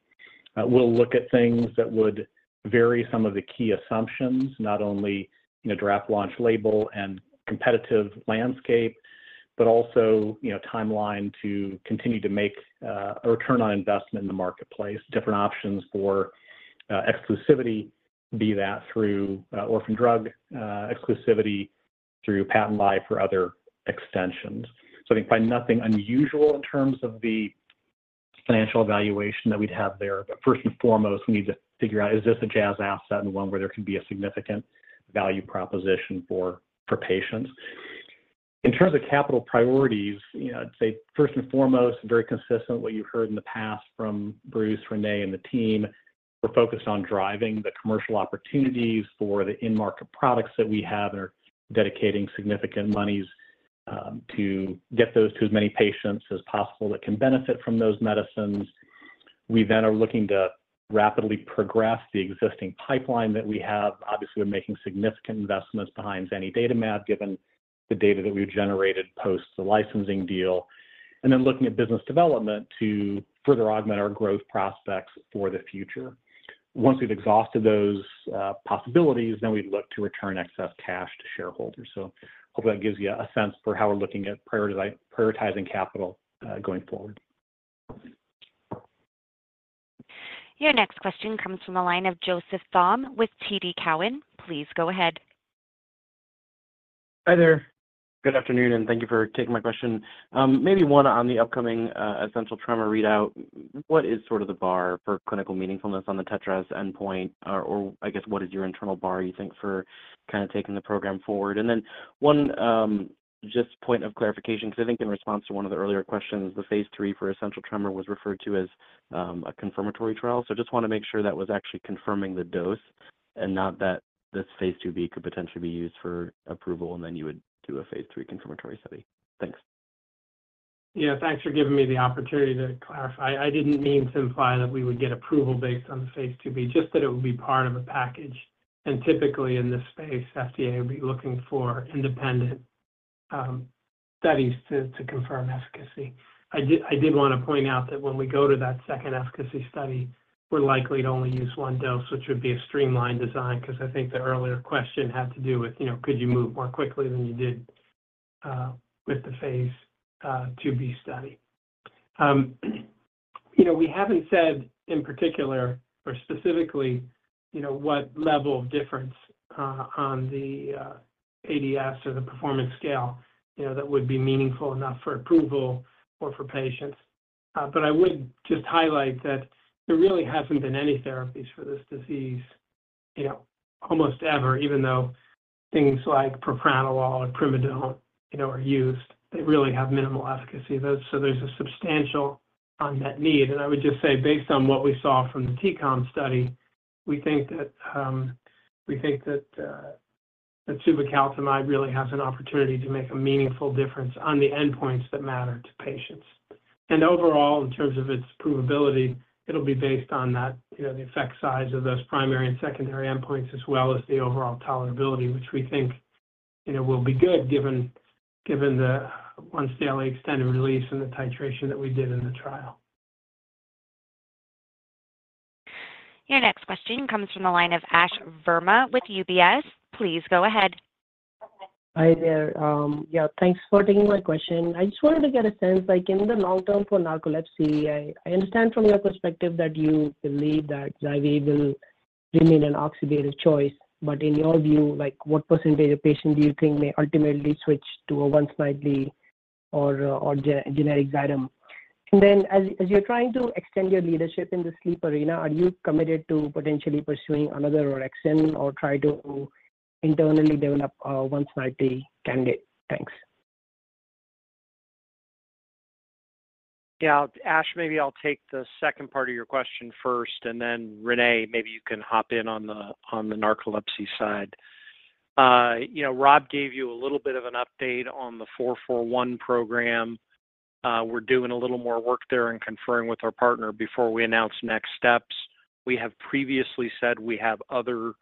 We'll look at things that would vary some of the key assumptions, not only in a draft launch label and competitive landscape, but also, you know, timeline to continue to make, a return on investment in the marketplace, different options for, exclusivity, be that through, orphan drug, exclusivity, through patent life or other extensions. So I think by nothing unusual in terms of the financial evaluation that we'd have there, but first and foremost, we need to figure out, is this a Jazz asset and one where there can be a significant value proposition for, for patients? In terms of capital priorities, you know, I'd say first and foremost, very consistent with what you heard in the past from Bruce, Renée, and the team, we're focused on driving the commercial opportunities for the end-market products that we have, and are dedicating significant monies to get those to as many patients as possible that can benefit from those medicines. We then are looking to rapidly progress the existing pipeline that we have. Obviously, we're making significant investments behind zanidatamab, given the data that we've generated post the licensing deal, and then looking at business development to further augment our growth prospects for the future. Once we've exhausted those possibilities, then we'd look to return excess cash to shareholders. So hope that gives you a sense for how we're looking at prioritizing capital going forward. Your next question comes from the line of Joseph Thome with TD Cowen. Please go ahead. Hi there. Good afternoon, and thank you for taking my question. Maybe one on the upcoming Essential Tremor readout. What is sort of the bar for clinical meaningfulness on the TETRAS endpoint? Or I guess, what is your internal bar, you think, for kinda taking the program forward? And then one, just point of clarification, because I think in response to one of the earlier questions, the phase 3 for Essential Tremor was referred to as a confirmatory trial. So just want to make sure that was actually confirming the dose and not that this phase 2b could potentially be used for approval, and then you would do a phase 3 confirmatory study. Thanks. Yeah, thanks for giving me the opportunity to clarify. I didn't mean to imply that we would get approval based on the phase 2b, just that it would be part of a package. And typically in this space, FDA will be looking for independent studies to confirm efficacy. I did wanna point out that when we go to that second efficacy study, we're likely to only use one dose, which would be a streamlined design, 'cause I think the earlier question had to do with, you know, could you move more quickly than you did with the phase 2b study. You know, we haven't said in particular or specifically you know, what level of difference on the ADL or the performance scale, you know, that would be meaningful enough for approval or for patients. But I would just highlight that there really hasn't been any therapies for this disease, you know, almost ever, even though things like propranolol and primidone, you know, are used, they really have minimal efficacy. So there's a substantial unmet need. And I would just say, based on what we saw from the T-CALM study, we think that, we think that, that suvecaltamide really has an opportunity to make a meaningful difference on the endpoints that matter to patients. And overall, in terms of its approvability, it'll be based on that, you know, the effect size of those primary and secondary endpoints, as well as the overall tolerability, which we think, you know, will be good, given, given the once daily extended release and the titration that we did in the trial. Your next question comes from the line of Ash Verma with UBS. Please go ahead. Hi there. Yeah, thanks for taking my question. I just wanted to get a sense, like in the long term for narcolepsy, I understand from your perspective that you believe that Xywav will remain an oxybate choice. But in your view, like, what percentage of patient do you think may ultimately switch to a once nightly or generic Xyrem? And then as you're trying to extend your leadership in the sleep arena, are you committed to potentially pursuing another orexin or try to internally develop a once-nightly candidate? Thanks. Yeah, Ash, maybe I'll take the second part of your question first, and then, Renée, maybe you can hop in on the, on the narcolepsy side. You know, Rob gave you a little bit of an update on the 441 program. We're doing a little more work there and conferring with our partner before we announce the next steps. We have previously said we have other,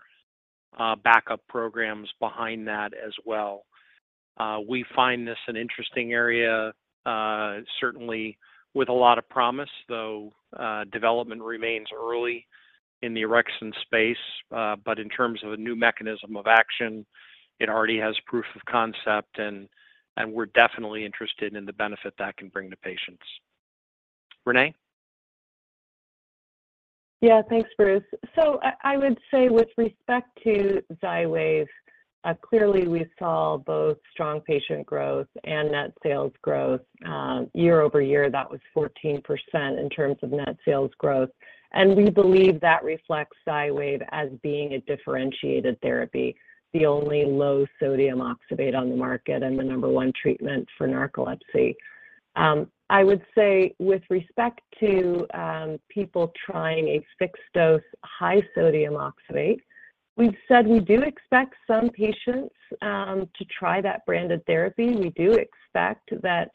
backup programs behind that as well. We find this an interesting area, certainly with a lot of promise, though, development remains early in the orexin space. But in terms of a new mechanism of action, it already has proof of concept, and, and we're definitely interested in the benefit that can bring to patients. Renée? Yeah, thanks, Bruce. So I would say with respect to Xywav, clearly we saw both strong patient growth and net sales growth. Year-over-year, that was 14% in terms of net sales growth, and we believe that reflects Xywav as being a differentiated therapy, the only low sodium oxybate on the market and the number one treatment for narcolepsy. I would say, with respect to people trying a fixed-dose, high sodium oxybate, we've said we do expect some patients to try that branded therapy. We do expect that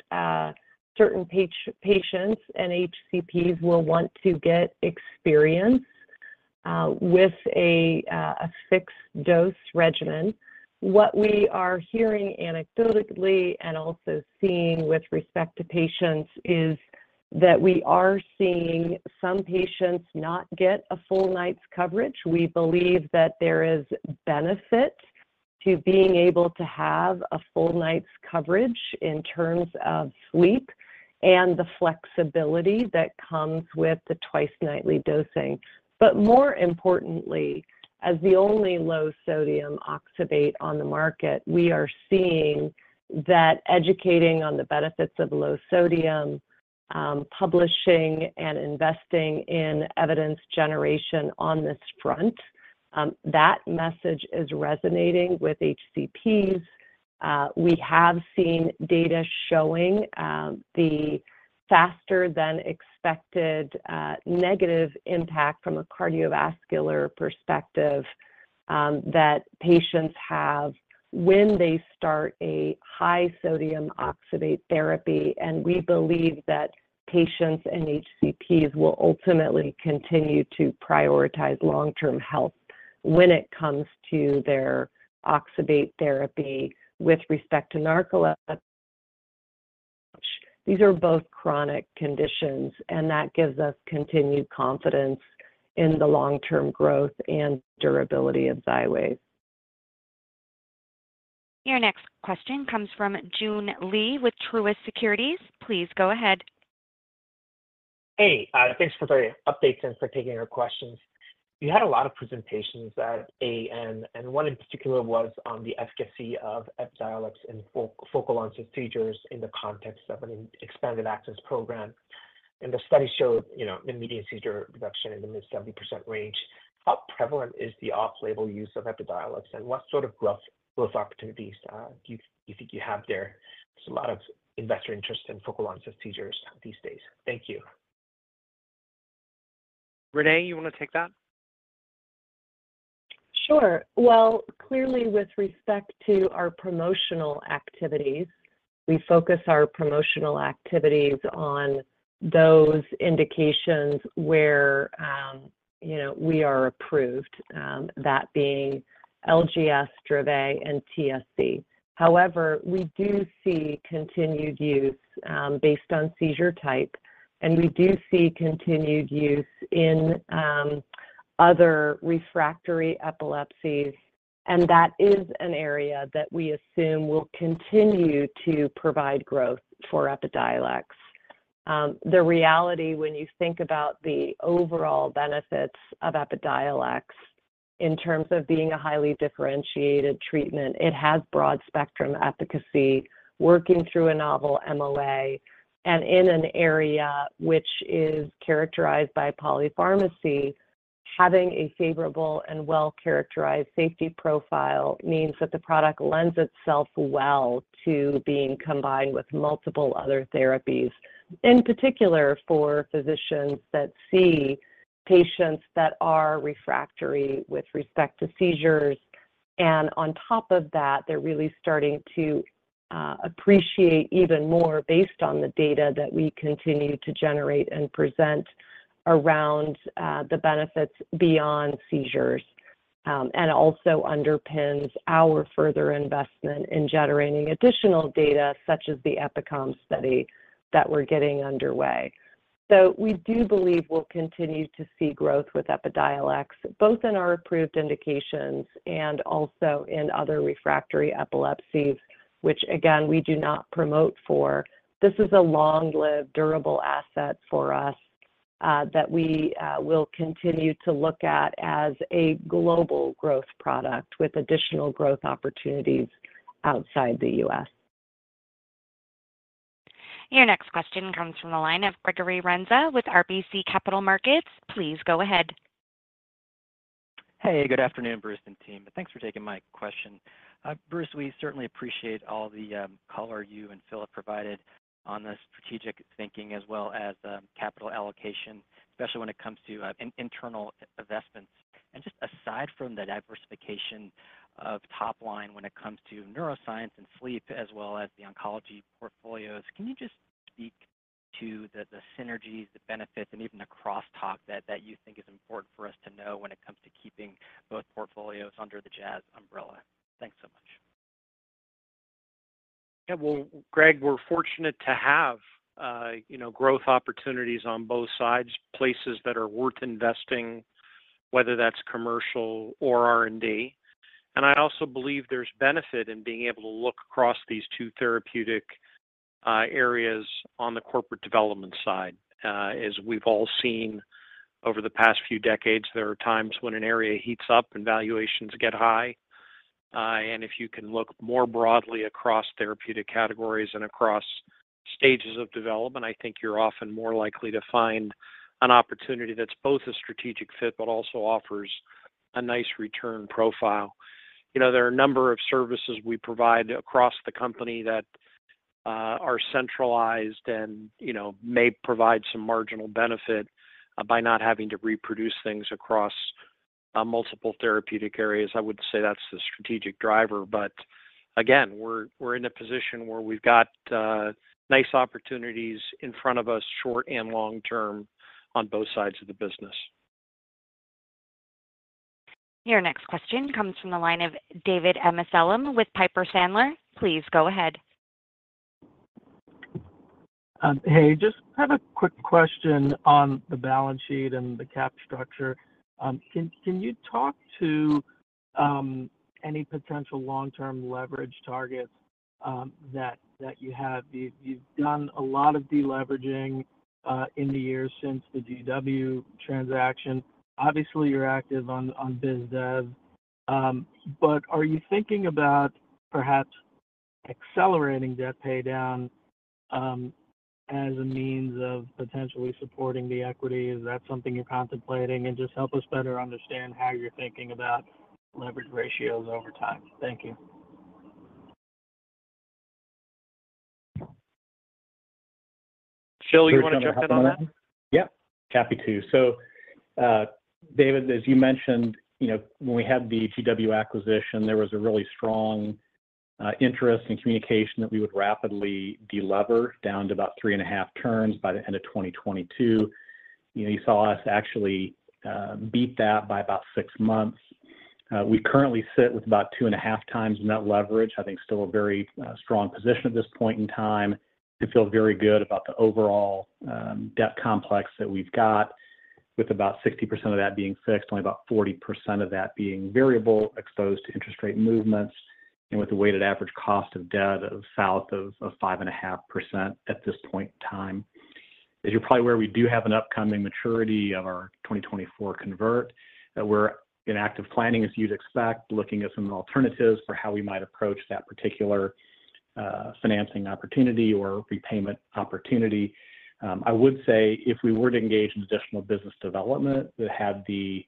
certain patients and HCPs will want to get experience with a fixed-dose regimen. What we are hearing anecdotally and also seeing with respect to patients, is that we are seeing some patients not get a full night's coverage. We believe that there is benefit to being able to have a full night's coverage in terms of sleep and the flexibility that comes with the twice-nightly dosing. But more importantly, as the only low sodium oxybate on the market, we are seeing that educating on the benefits of low sodium, publishing and investing in evidence generation on this front, that message is resonating with HCPs. We have seen data showing, the faster than expected, negative impact from a cardiovascular perspective, that patients have when they start a high sodium oxybate therapy. And we believe that patients and HCPs will ultimately continue to prioritize long-term health when it comes to their oxybate therapy with respect to narcolepsy. These are both chronic conditions, and that gives us continued confidence in the long-term growth and durability of Xywav. Your next question comes from Joon Lee with Truist Securities. Please go ahead. Hey, thanks for the update and for taking our questions. You had a lot of presentations at AAN, and one in particular was on the efficacy of Epidiolex in focal onset seizures in the context of an expanded access program. The study showed, you know, the median seizure reduction in the mid-70% range. How prevalent is the off-label use of Epidiolex, and what sort of growth opportunities do you think you have there? There's a lot of investor interest in focal onset seizures these days. Thank you. Renée, you want to take that? Sure. Well, clearly, with respect to our promotional activities, we focus our promotional activities on those indications where, you know, we are approved, that being LGS, Dravet, and TSC. However, we do see continued use, based on seizure type, and we do see continued use in, other refractory epilepsies, and that is an area that we assume will continue to provide growth for Epidiolex.... the reality when you think about the overall benefits of Epidiolex in terms of being a highly differentiated treatment, it has broad spectrum efficacy, working through a novel MOA, and in an area which is characterized by polypharmacy. Having a favorable and well-characterized safety profile means that the product lends itself well to being combined with multiple other therapies. In particular, for physicians that see patients that are refractory with respect to seizures, and on top of that, they're really starting to appreciate even more based on the data that we continue to generate and present around the benefits beyond seizures, and also underpins our further investment in generating additional data, such as the Epicom study that we're getting underway. We do believe we'll continue to see growth with Epidiolex, both in our approved indications and also in other refractory epilepsies, which, again, we do not promote for. This is a long-lived, durable asset for us that we will continue to look at as a global growth product with additional growth opportunities outside the U.S. Your next question comes from the line of Gregory Renza with RBC Capital Markets. Please go ahead. Hey, good afternoon, Bruce and team. Thanks for taking my question. Bruce, we certainly appreciate all the color you and Phil have provided on the strategic thinking, as well as capital allocation, especially when it comes to internal investments. Just aside from the diversification of top line when it comes to neuroscience and sleep, as well as the oncology portfolios, can you just speak to the synergies, the benefits, and even the crosstalk that you think is important for us to know when it comes to keeping both portfolios under the Jazz umbrella? Thanks so much. Yeah, well, Greg, we're fortunate to have, you know, growth opportunities on both sides, places that are worth investing, whether that's commercial or R&D. And I also believe there's benefit in being able to look across these two therapeutic areas on the corporate development side. As we've all seen over the past few decades, there are times when an area heats up and valuations get high. And if you can look more broadly across therapeutic categories and across stages of development, I think you're often more likely to find an opportunity that's both a strategic fit, but also offers a nice return profile. You know, there are a number of services we provide across the company that are centralized and, you know, may provide some marginal benefit by not having to reproduce things across multiple therapeutic areas. I would say that's the strategic driver, but again, we're, we're in a position where we've got nice opportunities in front of us, short and long term, on both sides of the business. Your next question comes from the line of David Amsellem with Piper Sandler. Please go ahead. Hey, just have a quick question on the balance sheet and the cap structure. Can you talk to any potential long-term leverage targets that you have? You've done a lot of deleveraging in the years since the GW transaction. Obviously, you're active on biz dev, but are you thinking about perhaps accelerating debt paydown as a means of potentially supporting the equity? Is that something you're contemplating? And just help us better understand how you're thinking about leverage ratios over time. Thank you. Phil, you want to jump in on that? Yeah. Happy to. So, David, as you mentioned, you know, when we had the GW acquisition, there was a really strong interest in communication that we would rapidly delever down to about 3.5 turns by the end of 2022. You know, you saw us actually beat that by about 6 months. We currently sit with about 2.5 times net leverage. I think still a very strong position at this point in time. We feel very good about the overall debt complex that we've got, with about 60% of that being fixed, only about 40% of that being variable, exposed to interest rate movements, and with a weighted average cost of debt of south of 5.5% at this point in time. As you're probably aware, we do have an upcoming maturity of our 2024 convert that we're in active planning, as you'd expect, looking at some alternatives for how we might approach that particular, financing opportunity or repayment opportunity. I would say if we were to engage in additional business development that had the,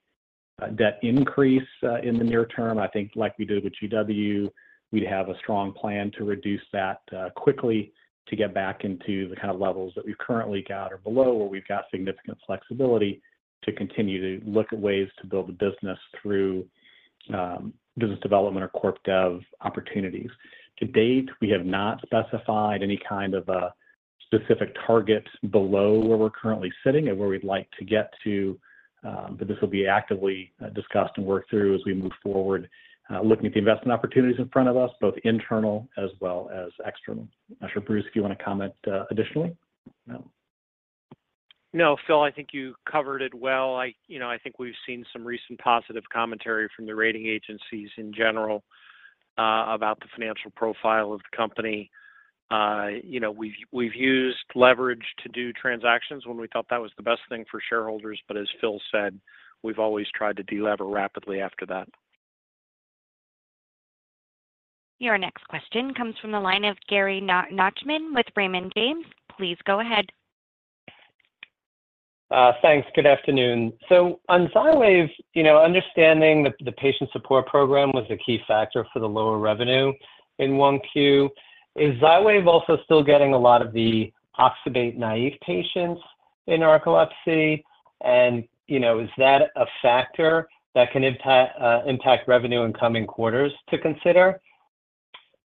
debt increase, in the near term, I think like we did with GW, we'd have a strong plan to reduce that, quickly to get back into the kind of levels that we've currently got or below, where we've got significant flexibility to continue to look at ways to build the business through, business development or corp dev opportunities. To date, we have not specified any kind of a specific target below where we're currently sitting and where we'd like to get to, but this will be actively discussed and worked through as we move forward, looking at the investment opportunities in front of us, both internal as well as external. Not sure, Bruce, if you want to comment, additionally? No.... No, Phil, I think you covered it well. I, you know, I think we've seen some recent positive commentary from the rating agencies in general, about the financial profile of the company. You know, we've used leverage to do transactions when we thought that was the best thing for shareholders, but as Phil said, we've always tried to delever rapidly after that. Your next question comes from the line of Gary Nachman with Raymond James. Please go ahead. Thanks. Good afternoon. So on Xywav, you know, understanding the patient support program was a key factor for the lower revenue in Q1. Is Xywav also still getting a lot of the oxybate naive patients in narcolepsy? And, you know, is that a factor that can impact revenue in coming quarters to consider?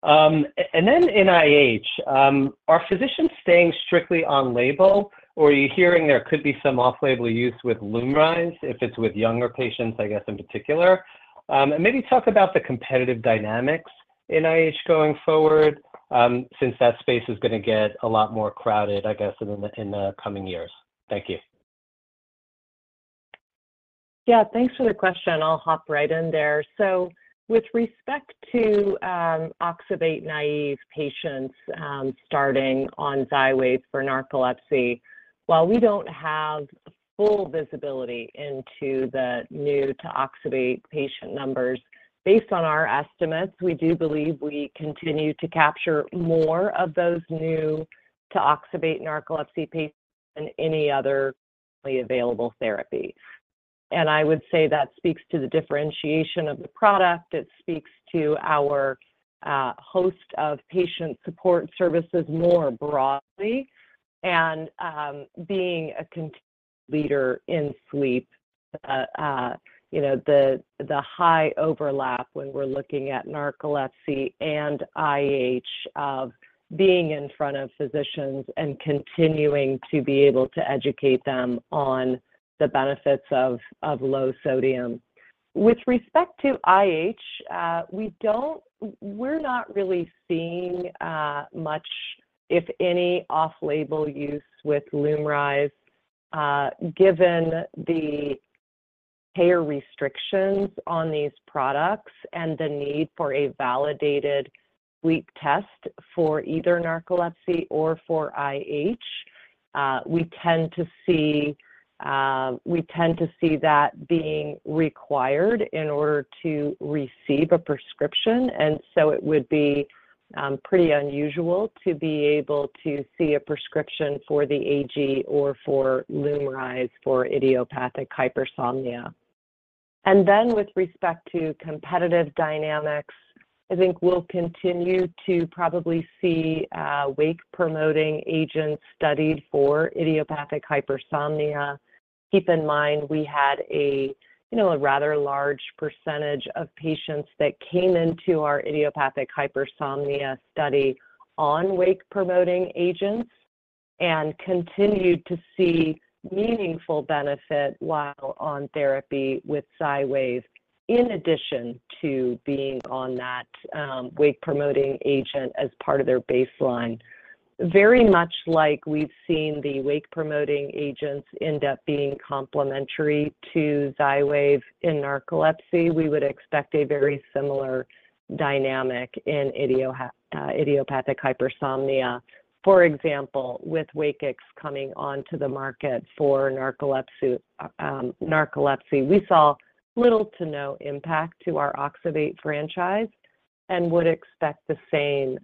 And then IH, are physicians staying strictly on label, or are you hearing there could be some off-label use with Lumryz, if it's with younger patients, I guess, in particular? And maybe talk about the competitive dynamics, IH going forward, since that space is gonna get a lot more crowded, I guess, in the coming years. Thank you. Yeah, thanks for the question. I'll hop right in there. So with respect to oxybate naive patients starting on Xywav for narcolepsy, while we don't have full visibility into the new to oxybate patient numbers, based on our estimates, we do believe we continue to capture more of those new to oxybate narcolepsy patients than any other available therapy. And I would say that speaks to the differentiation of the product. It speaks to our host of patient support services more broadly, and being a content leader in sleep, you know, the high overlap when we're looking at narcolepsy and IH of being in front of physicians and continuing to be able to educate them on the benefits of low sodium. With respect to IH, we're not really seeing much, if any, off-label use with Lumryz, given the payer restrictions on these products and the need for a validated sleep test for either narcolepsy or for IH. We tend to see that being required in order to receive a prescription, and so it would be pretty unusual to be able to see a prescription for the AG or for Lumryz for idiopathic hypersomnia. And then with respect to competitive dynamics, I think we'll continue to probably see wake-promoting agents studied for idiopathic hypersomnia. Keep in mind, we had a, you know, a rather large percentage of patients that came into our idiopathic hypersomnia study on wake-promoting agents and continued to see meaningful benefit while on therapy with Xywav, in addition to being on that, wake-promoting agent as part of their baseline. Very much like we've seen the wake-promoting agents end up being complementary to Xywav in narcolepsy, we would expect a very similar dynamic in idiopathic hypersomnia. For example, with Wakix coming onto the market for narcolepsy, narcolepsy, we saw little to no impact to our oxybate franchise and would expect the same,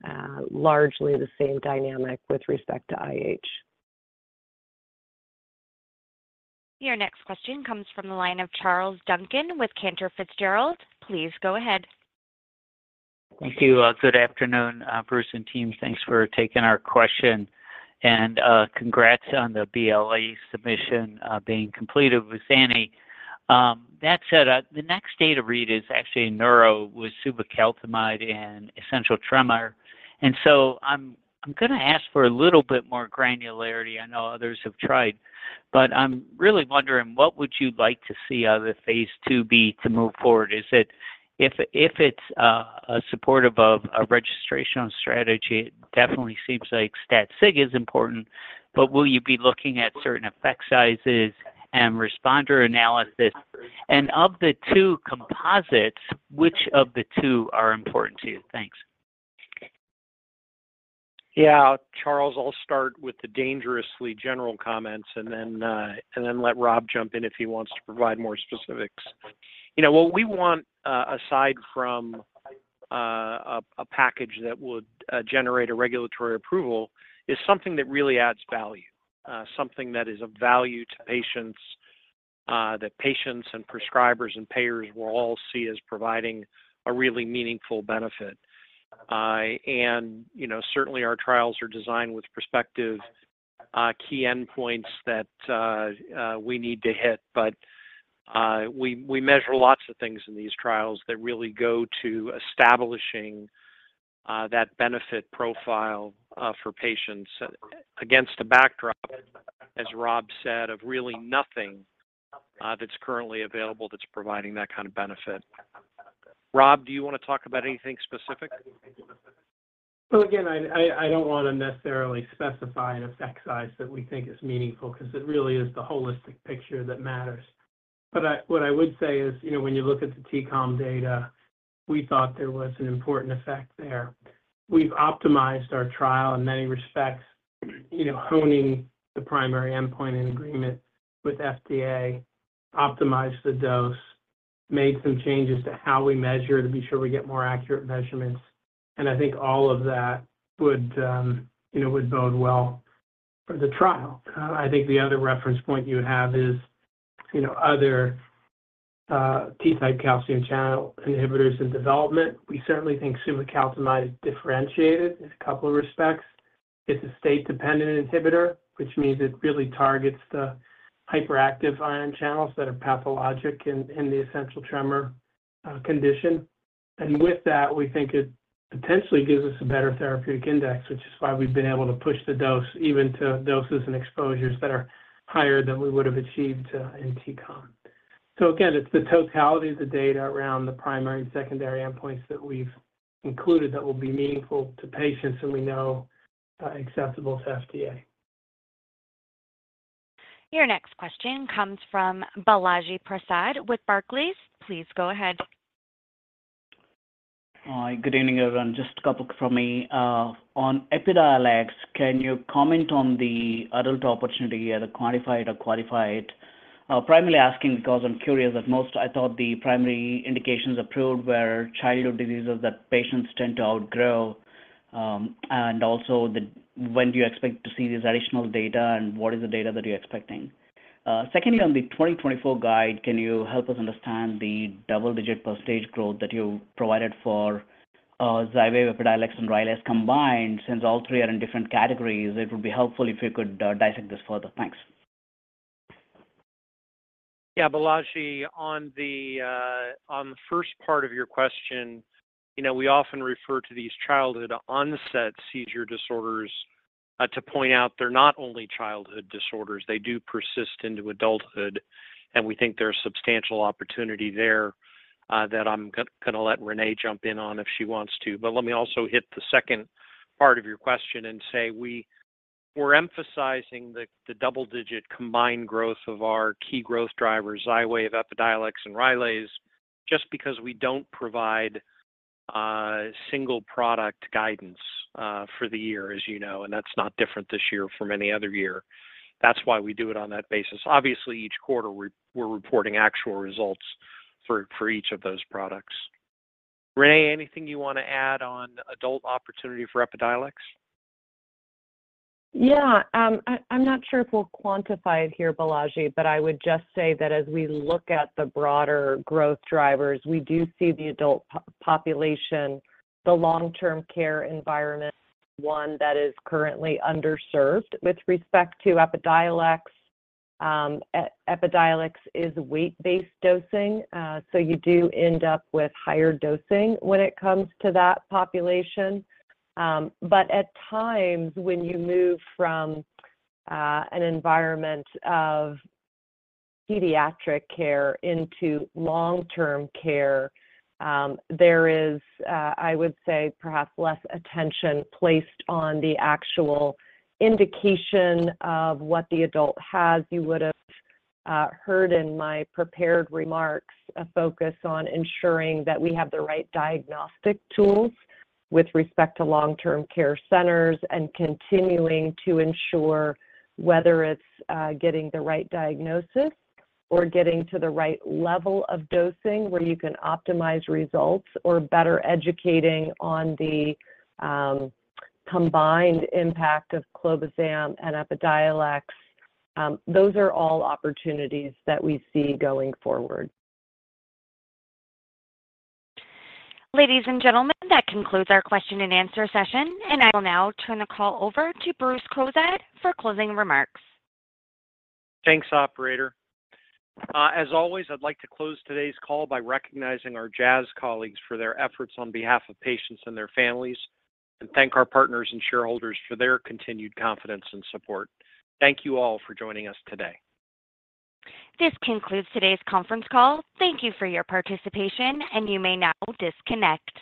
largely the same dynamic with respect to IH. Your next question comes from the line of Charles Duncan with Cantor Fitzgerald. Please go ahead. Thank you. Good afternoon, Bruce and team. Thanks for taking our question. Congrats on the BLA submission being completed with zanidatamab. That said, the next data read is actually neuro with suvecaltamide and essential tremor. So I'm gonna ask for a little bit more granularity. I know others have tried, but I'm really wondering, what would you like to see out of the phase 2b to move forward? If it's supportive of a registrational strategy, it definitely seems like stat sig is important, but will you be looking at certain effect sizes and responder analysis? And of the two composites, which of the two are important to you? Thanks. Yeah, Charles, I'll start with the dangerously general comments and then and then let Rob jump in if he wants to provide more specifics. You know, what we want, aside from a package that would generate a regulatory approval, is something that really adds value. Something that is of value to patients, that patients and prescribers and payers will all see as providing a really meaningful benefit. And, you know, certainly our trials are designed with prospective key endpoints that we need to hit, but we measure lots of things in these trials that really go to establishing that benefit profile for patients against a backdrop, as Rob said, of really nothing that's currently available that's providing that kind of benefit. Rob, do you want to talk about anything specific? So again, I don't want to necessarily specify an effect size that we think is meaningful, 'cause it really is the holistic picture that matters. But what I would say is, you know, when you look at the T-CALM data, we thought there was an important effect there. We've optimized our trial in many respects, you know, honing the primary endpoint in agreement with FDA, optimized the dose, made some changes to how we measure to be sure we get more accurate measurements. And I think all of that would, you know, would bode well for the trial. I think the other reference point you would have is, you know, other, T-type calcium channel inhibitors in development. We certainly think suvecaltamide is differentiated in a couple of respects. It's a state-dependent inhibitor, which means it really targets the hyperactive ion channels that are pathologic in the Essential Tremor condition. And with that, we think it potentially gives us a better therapeutic index, which is why we've been able to push the dose even to doses and exposures that are higher than we would have achieved in T-CALM. So again, it's the totality of the data around the primary and secondary endpoints that we've concluded that will be meaningful to patients and we know acceptable to FDA. Your next question comes from Balaji Prasad with Barclays. Please go ahead. Hi, good evening, everyone. Just a couple from me. On Epidiolex, can you comment on the adult opportunity, either quantify it or qualify it? Primarily asking because I'm curious, at most, I thought the primary indications approved were childhood diseases that patients tend to outgrow. And also, when do you expect to see these additional data, and what is the data that you're expecting? Secondly, on the 2024 guide, can you help us understand the double-digit % growth that you provided for, Xywav, Epidiolex, and Rylaze combined? Since all three are in different categories, it would be helpful if you could dissect this further. Thanks. Yeah, Balaji, on the first part of your question, you know, we often refer to these childhood-onset seizure disorders to point out they're not only childhood disorders. They do persist into adulthood, and we think there's substantial opportunity there that I'm gonna let Renée jump in on if she wants to. But let me also hit the second part of your question and say we're emphasizing the double-digit combined growth of our key growth drivers, Xywav, Epidiolex, and Rylaze, just because we don't provide single product guidance for the year, as you know, and that's not different this year from any other year. That's why we do it on that basis. Obviously, each quarter, we're reporting actual results for each of those products. Renée, anything you want to add on adult opportunity for Epidiolex? Yeah, I'm not sure if we'll quantify it here, Balaji, but I would just say that as we look at the broader growth drivers, we do see the adult population, the long-term care environment, one that is currently underserved. With respect to Epidiolex, Epidiolex is weight-based dosing, so you do end up with higher dosing when it comes to that population. At times when you move from an environment of pediatric care into long-term care, there is, I would say, perhaps less attention placed on the actual indication of what the adult has. You would've heard in my prepared remarks, a focus on ensuring that we have the right diagnostic tools with respect to long-term care centers and continuing to ensure whether it's getting the right diagnosis or getting to the right level of dosing, where you can optimize results, or better educating on the combined impact of clobazam and Epidiolex. Those are all opportunities that we see going forward. Ladies and gentlemen, that concludes our question and answer session, and I will now turn the call over to Bruce Cozadd for closing remarks. Thanks, operator. As always, I'd like to close today's call by recognizing our Jazz colleagues for their efforts on behalf of patients and their families, and thank our partners and shareholders for their continued confidence and support. Thank you all for joining us today. This concludes today's conference call. Thank you for your participation, and you may now disconnect.